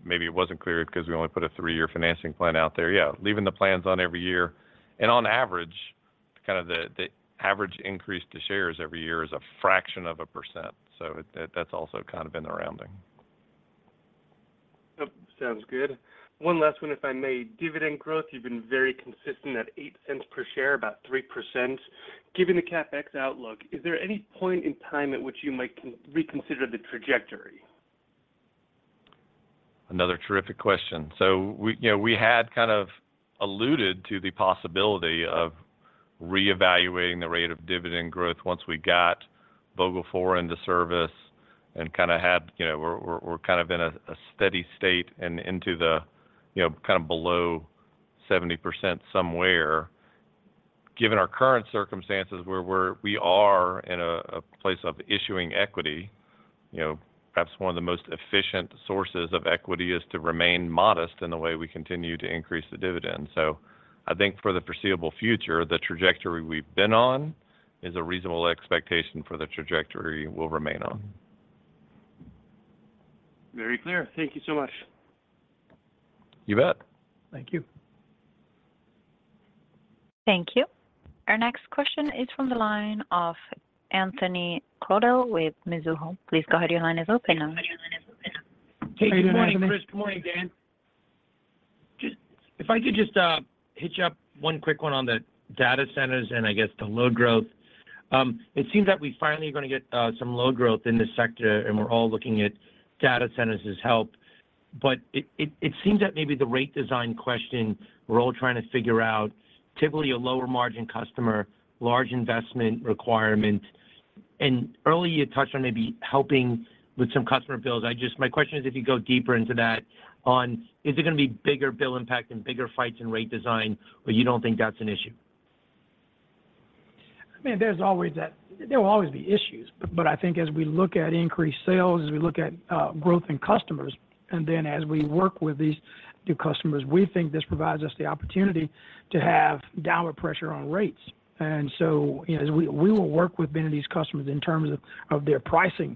maybe it wasn't clear because we only put a three-year financing plan out there, yeah, leaving the plans on every year, and on average, kind of the average increase to shares every year is a fraction of a %. So that's also kind of in the rounding. Sounds good. One last one, if I may. Dividend growth, you've been very consistent at $0.08 per share, about 3%. Given the CapEx outlook, is there any point in time at which you might reconsider the trajectory? Another terrific question. So we had kind of alluded to the possibility of reevaluating the rate of dividend growth once we got Vogtle 4 into service and kind of had we're kind of in a steady state and into the kind of below 70% somewhere. Given our current circumstances where we are in a place of issuing equity, perhaps one of the most efficient sources of equity is to remain modest in the way we continue to increase the dividend. So I think for the foreseeable future, the trajectory we've been on is a reasonable expectation for the trajectory we'll remain on. Very clear. Thank you so much. You bet. Thank you. Thank you. Our next question is from the line of Anthony Crowdell with Mizuho. Please go ahead. Your line is open now. Hey, good morning, Chris. Good morning, Dan. If I could just hitch up one quick one on the data centers and, I guess, the low growth. It seems that we finally are going to get some low growth in this sector, and we're all looking at data centers as help. But it seems that maybe the rate design question we're all trying to figure out, typically a lower-margin customer, large investment requirement. And earlier, you touched on maybe helping with some customer bills. My question is if you go deeper into that on, is it going to be bigger bill impact and bigger fights in rate design, or you don't think that's an issue? I mean, there will always be issues. But I think as we look at increased sales, as we look at growth in customers, and then as we work with these new customers, we think this provides us the opportunity to have downward pressure on rates. And so we will work with many of these customers in terms of their pricing.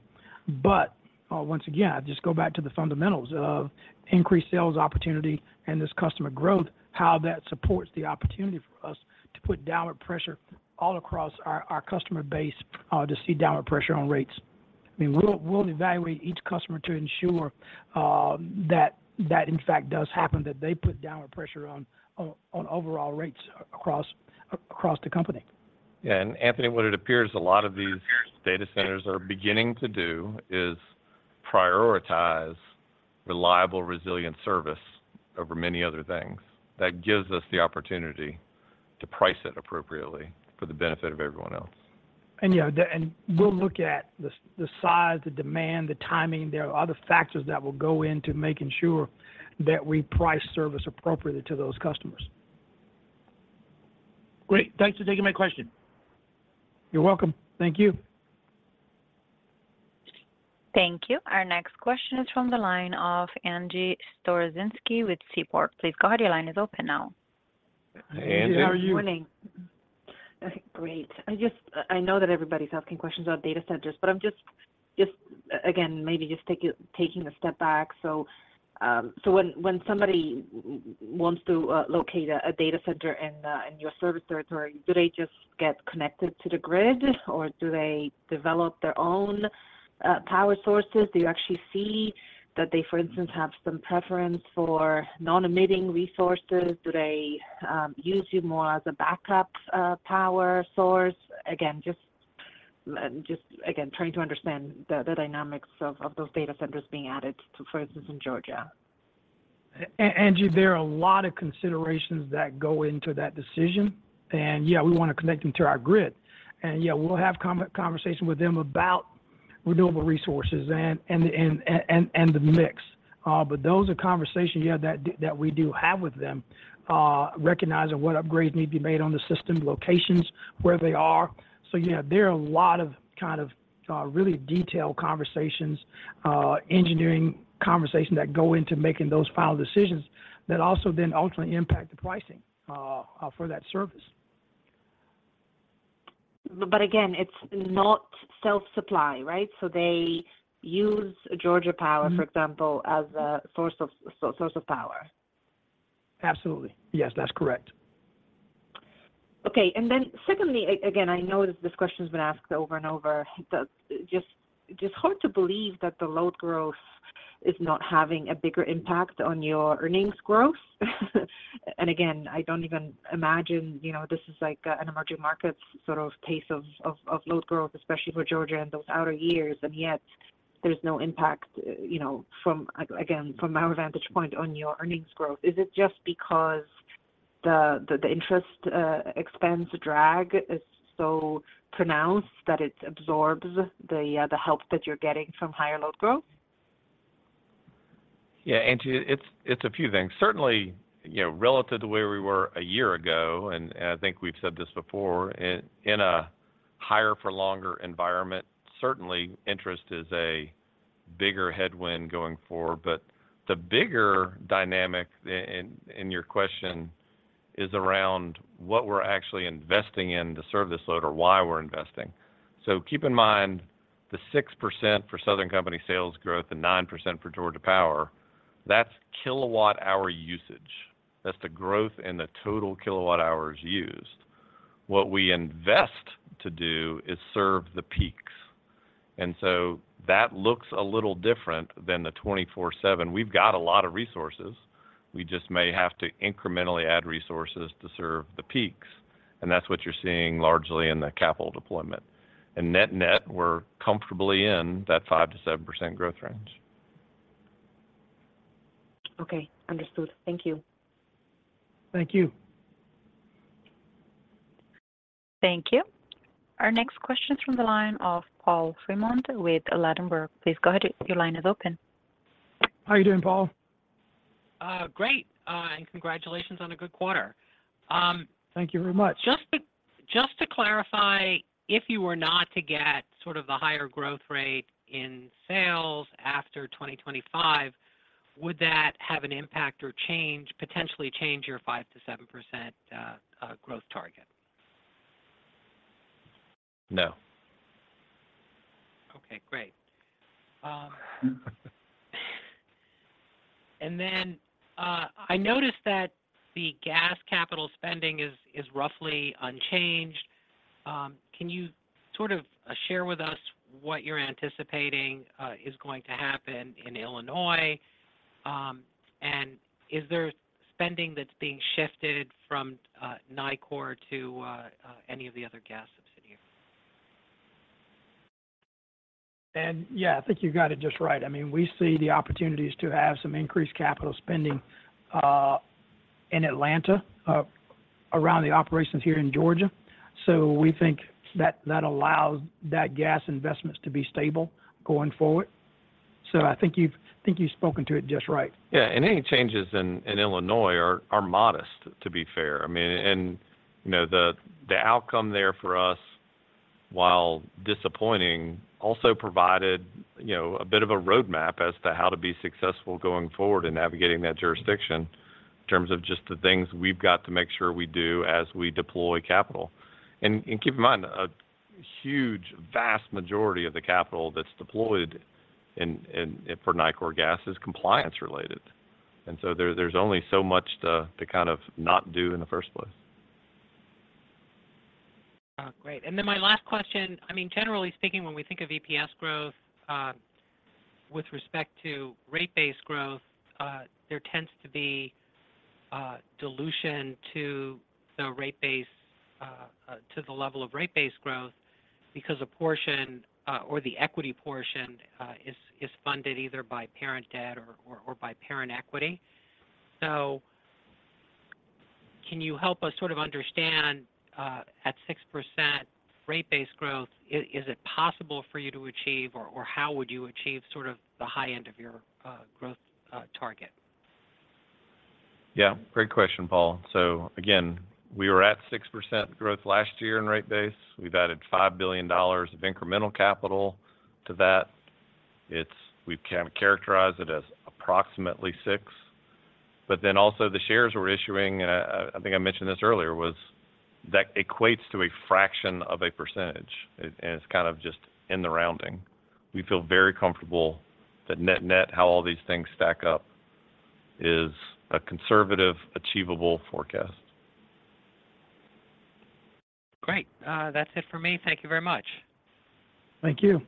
But once again, I just go back to the fundamentals of increased sales opportunity and this customer growth, how that supports the opportunity for us to put downward pressure all across our customer base to see downward pressure on rates. I mean, we'll evaluate each customer to ensure that, in fact, does happen, that they put downward pressure on overall rates across the company. Yeah. And Anthony, what it appears a lot of these data centers are beginning to do is prioritize reliable, resilient service over many other things. That gives us the opportunity to price it appropriately for the benefit of everyone else. Yeah. We'll look at the size, the demand, the timing. There are other factors that will go into making sure that we price service appropriately to those customers. Great. Thanks for taking my question. You're welcome. Thank you. Thank you. Our next question is from the line of Angie Storozynski with Seaport. Please go ahead. Your line is open now. Hey, Angie. Hey, how are you? Good morning. Great. I know that everybody's asking questions about data centers, but I'm just, again, maybe just taking a step back. So when somebody wants to locate a data center in your service territory, do they just get connected to the grid, or do they develop their own power sources? Do you actually see that they, for instance, have some preference for non-emitting resources? Do they use you more as a backup power source? Again, just, again, trying to understand the dynamics of those data centers being added to, for instance, in Georgia. Angie, there are a lot of considerations that go into that decision. Yeah, we want to connect them to our grid. Yeah, we'll have conversations with them about renewable resources and the mix. But those are conversations, yeah, that we do have with them, recognizing what upgrades need to be made on the system, locations, where they are. Yeah, there are a lot of kind of really detailed conversations, engineering conversations that go into making those final decisions that also then ultimately impact the pricing for that service. But again, it's not self-supply, right? So they use Georgia Power, for example, as a source of power. Absolutely. Yes, that's correct. Okay. And then secondly, again, I know this question's been asked over and over, but just hard to believe that the low growth is not having a bigger impact on your earnings growth. And again, I don't even imagine this is an emerging market sort of pace of low growth, especially for Georgia in those outer years, and yet there's no impact, again, from our vantage point, on your earnings growth. Is it just because the interest expense drag is so pronounced that it absorbs the help that you're getting from higher low growth? Yeah. Angie, it's a few things. Certainly, relative to where we were a year ago, and I think we've said this before, in a higher-for-longer environment, certainly, interest is a bigger headwind going forward. But the bigger dynamic in your question is around what we're actually investing in to serve this load or why we're investing. So keep in mind the 6% for Southern Company sales growth and 9% for Georgia Power, that's kilowatt-hour usage. That's the growth in the total kilowatt-hours used. What we invest to do is serve the peaks. And so that looks a little different than the 24/7. We've got a lot of resources. We just may have to incrementally add resources to serve the peaks. And that's what you're seeing largely in the capital deployment. And net-net, we're comfortably in that 5%-7% growth range. Okay. Understood. Thank you. Thank you. Thank you. Our next question is from the line of Paul Fremont with Ladenburg. Please go ahead. Your line is open. How are you doing, Paul? Great. And congratulations on a good quarter. Thank you very much. Just to clarify, if you were not to get sort of the higher growth rate in sales after 2025, would that have an impact or potentially change your 5%-7% growth target? No. Okay. Great. And then I noticed that the gas capital spending is roughly unchanged. Can you sort of share with us what you're anticipating is going to happen in Illinois? And is there spending that's being shifted from Nicor to any of the other gas subsidiaries? Yeah, I think you got it just right. I mean, we see the opportunities to have some increased capital spending in Atlanta around the operations here in Georgia. We think that allows that gas investments to be stable going forward. I think you've spoken to it just right. Yeah. And any changes in Illinois are modest, to be fair. I mean, and the outcome there for us, while disappointing, also provided a bit of a roadmap as to how to be successful going forward in navigating that jurisdiction in terms of just the things we've got to make sure we do as we deploy capital. And keep in mind, a huge, vast majority of the capital that's deployed for Nicor Gas is compliance-related. And so there's only so much to kind of not do in the first place. Great. And then my last question, I mean, generally speaking, when we think of EPS growth with respect to rate-based growth, there tends to be dilution to the level of rate-based growth because a portion or the equity portion is funded either by parent debt or by parent equity. So can you help us sort of understand at 6% rate-based growth, is it possible for you to achieve, or how would you achieve sort of the high end of your growth target? Yeah. Great question, Paul. So again, we were at 6% growth last year in rate base. We've added $5 billion of incremental capital to that. We've kind of characterized it as approximately 6%. But then also, the shares we're issuing, and I think I mentioned this earlier, equates to a fraction of a percentage, and it's kind of just in the rounding. We feel very comfortable that net-net, how all these things stack up, is a conservative, achievable forecast. Great. That's it for me. Thank you very much. Thank you.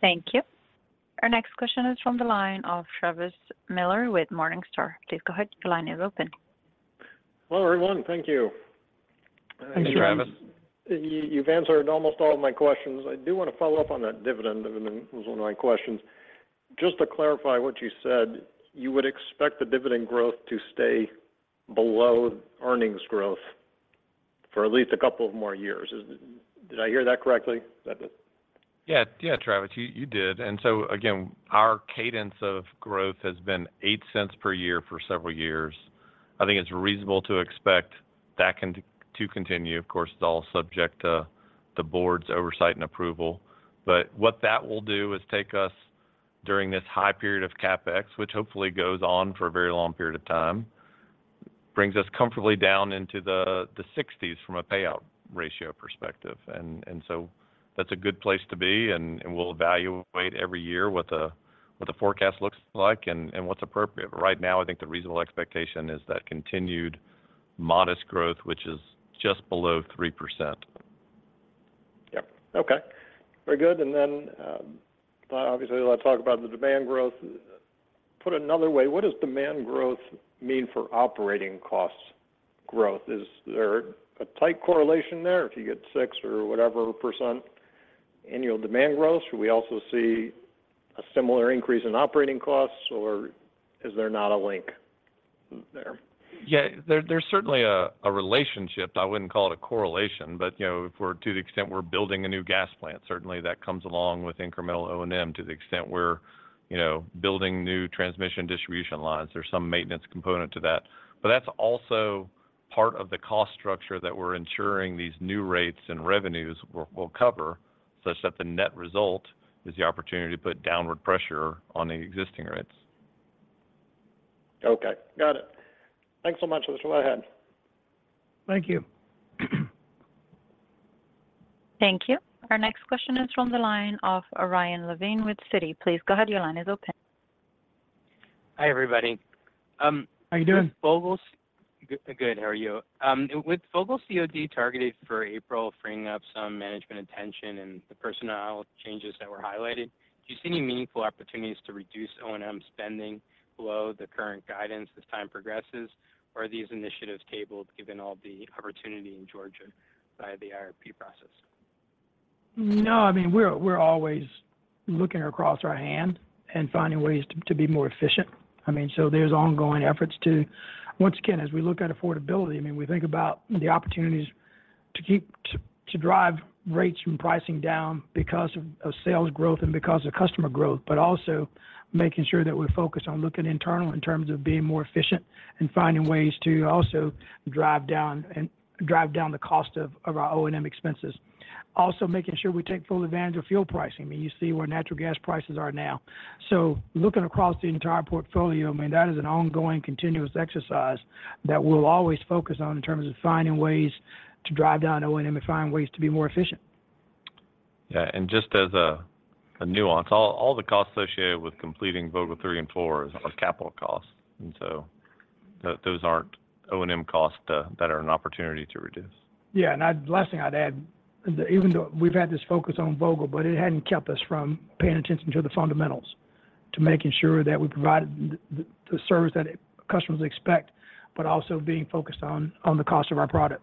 Thank you. Our next question is from the line of Travis Miller with Morningstar. Please go ahead. Your line is open. Hello, everyone. Thank you. Hey, Travis. You've answered almost all of my questions. I do want to follow up on that dividend. It was one of my questions. Just to clarify what you said, you would expect the dividend growth to stay below earnings growth for at least a couple of more years. Did I hear that correctly? Yeah. Yeah, Travis, you did. And so again, our cadence of growth has been $0.08 per year for several years. I think it's reasonable to expect that to continue. Of course, it's all subject to the board's oversight and approval. But what that will do is take us during this high period of CapEx, which hopefully goes on for a very long period of time, brings us comfortably down into the 60s from a payout ratio perspective. And so that's a good place to be, and we'll evaluate every year what the forecast looks like and what's appropriate. But right now, I think the reasonable expectation is that continued modest growth, which is just below 3%. Yep. Okay. Very good. And then obviously, I'll talk about the demand growth. Put another way, what does demand growth mean for operating costs growth? Is there a tight correlation there if you get 6% or whatever percent annual demand growth? Should we also see a similar increase in operating costs, or is there not a link there? Yeah. There's certainly a relationship. I wouldn't call it a correlation. If we're to the extent we're building a new gas plant, certainly, that comes along with incremental O&M. To the extent we're building new transmission distribution lines, there's some maintenance component to that. That's also part of the cost structure that we're ensuring these new rates and revenues will cover such that the net result is the opportunity to put downward pressure on the existing rates. Okay. Got it. Thanks so much, Elizabeth. Go ahead. Thank you. Thank you. Our next question is from the line of Ryan Levine with Citi. Please go ahead. Your line is open. Hi, everybody. How are you doing? With Vogtle's good. How are you? With Vogtle's COD targeted for April, freeing up some management attention and the personnel changes that were highlighted, do you see any meaningful opportunities to reduce O&M spending below the current guidance as time progresses? Or are these initiatives tabled given all the opportunity in Georgia by the IRP process? No. I mean, we're always looking across our hand and finding ways to be more efficient. I mean, so there's ongoing efforts to once again, as we look at affordability, I mean, we think about the opportunities to drive rates and pricing down because of sales growth and because of customer growth, but also making sure that we focus on looking internal in terms of being more efficient and finding ways to also drive down the cost of our O&M expenses. Also making sure we take full advantage of fuel pricing. I mean, you see where natural gas prices are now. So looking across the entire portfolio, I mean, that is an ongoing, continuous exercise that we'll always focus on in terms of finding ways to drive down O&M and find ways to be more efficient. Yeah. And just as a nuance, all the costs associated with completing Vogtle 3 and 4 are capital costs. And so those aren't O&M costs that are an opportunity to reduce. Yeah. Last thing I'd add, even though we've had this focus on Vogtle, but it hadn't kept us from paying attention to the fundamentals, to making sure that we provided the service that customers expect, but also being focused on the cost of our product.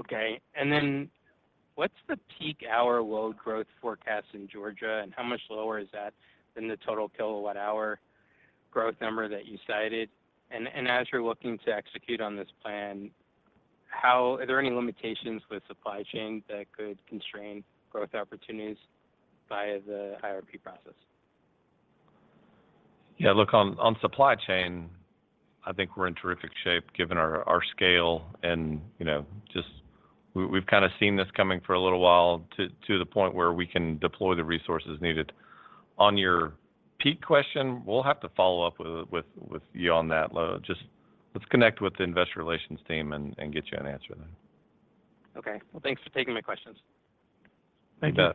Okay. And then what's the peak-hour load growth forecast in Georgia, and how much lower is that than the total kilowatt-hour growth number that you cited? And as you're looking to execute on this plan, are there any limitations with supply chain that could constrain growth opportunities by the IRP process? Yeah. Look, on supply chain, I think we're in terrific shape given our scale. And just we've kind of seen this coming for a little while to the point where we can deploy the resources needed. On your peak question, we'll have to follow up with you on that. Let's connect with the investor relations team and get you an answer then. Okay. Well, thanks for taking my questions. You bet.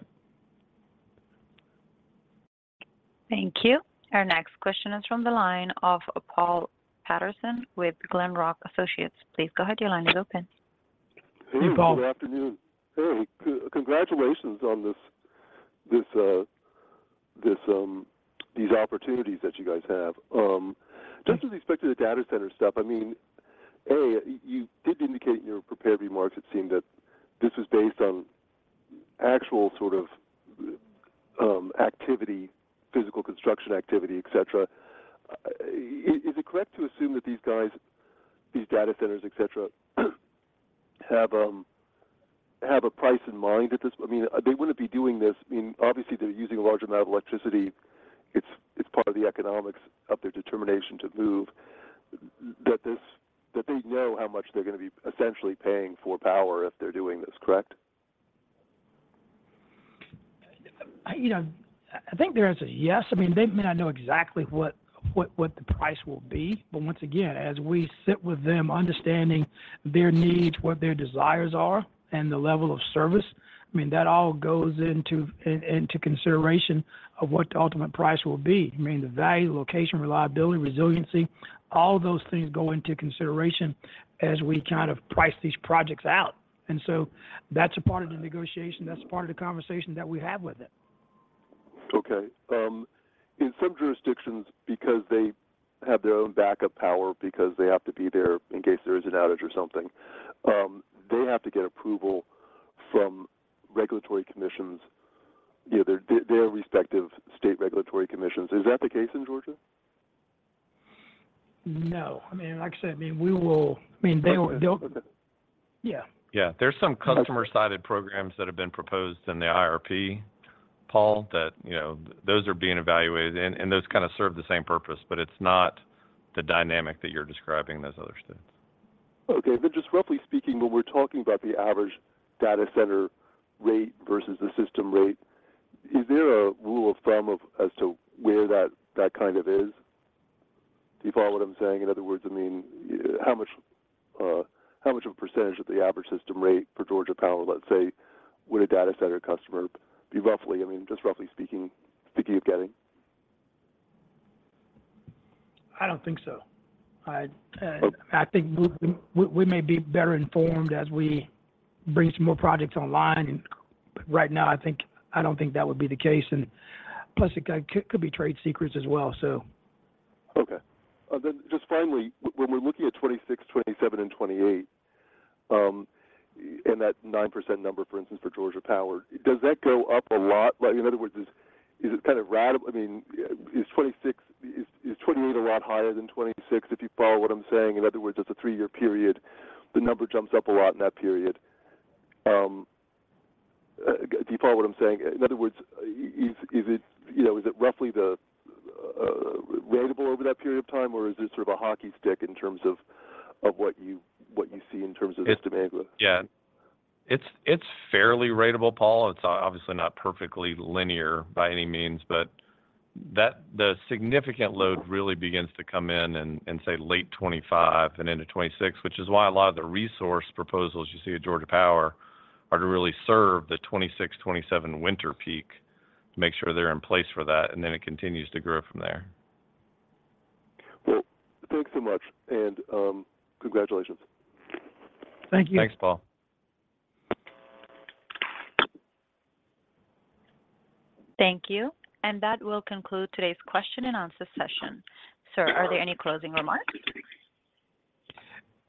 Thank you. Our next question is from the line of Paul Patterson with Glenrock Associates. Please go ahead. Your line is open. Hey, Paul. Hey, good afternoon. Hey, congratulations on these opportunities that you guys have. Just with respect to the data center stuff, I mean, A, you did indicate in your prepared remarks, it seemed that this was based on actual sort of activity, physical construction activity, etc. Is it correct to assume that these guys, these data centers, etc., have a price in mind at this? I mean, they wouldn't be doing this. I mean, obviously, they're using a large amount of electricity. It's part of the economics of their determination to move. That they know how much they're going to be essentially paying for power if they're doing this, correct? I think there is a yes. I mean, they may not know exactly what the price will be. But once again, as we sit with them understanding their needs, what their desires are, and the level of service, I mean, that all goes into consideration of what the ultimate price will be. I mean, the value, location, reliability, resiliency, all those things go into consideration as we kind of price these projects out. And so that's a part of the negotiation. That's part of the conversation that we have with them. Okay. In some jurisdictions, because they have their own backup power, because they have to be there in case there is an outage or something, they have to get approval from regulatory commissions, their respective state regulatory commissions. Is that the case in Georgia? No. I mean, like I said, I mean, we will I mean, they'll yeah. Yeah. There's some customer-sited programs that have been proposed in the IRP, Paul, that those are being evaluated. Those kind of serve the same purpose, but it's not the dynamic that you're describing in those other states. Okay. Then just roughly speaking, when we're talking about the average data center rate versus the system rate, is there a rule of thumb as to where that kind of is? Do you follow what I'm saying? In other words, I mean, how much of a percentage of the average system rate for Georgia Power, let's say, would a data center customer be roughly I mean, just roughly speaking, thinking of getting? I don't think so. I think we may be better informed as we bring some more projects online. But right now, I don't think that would be the case. Plus, it could be trade secrets as well, so. Okay. Then just finally, when we're looking at 2026, 2027, and 2028, and that 9% number, for instance, for Georgia Power, does that go up a lot? In other words, is it kind of, I mean, is 2028 a lot higher than 2026 if you follow what I'm saying? In other words, that's a three-year period. The number jumps up a lot in that period. Do you follow what I'm saying? In other words, is it roughly ratable over that period of time, or is it sort of a hockey stick in terms of what you see in terms of system angle? Yeah. It's fairly ratable, Paul. It's obviously not perfectly linear by any means. But the significant load really begins to come in and say late 2025 and into 2026, which is why a lot of the resource proposals you see at Georgia Power are to really serve the 2026, 2027 winter peak to make sure they're in place for that, and then it continues to grow from there. Well, thanks so much. Congratulations. Thank you. Thanks, Paul. Thank you. That will conclude today's question-and-answer session. Sir, are there any closing remarks?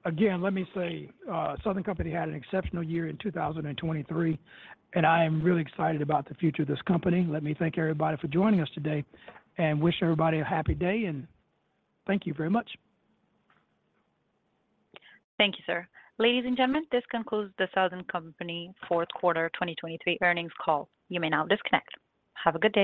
Again, let me say Southern Company had an exceptional year in 2023, and I am really excited about the future of this company. Let me thank everybody for joining us today and wish everybody a happy day. Thank you very much. Thank you, sir. Ladies and gentlemen, this concludes the Southern Company fourth-quarter 2023 earnings call. You may now disconnect. Have a good day.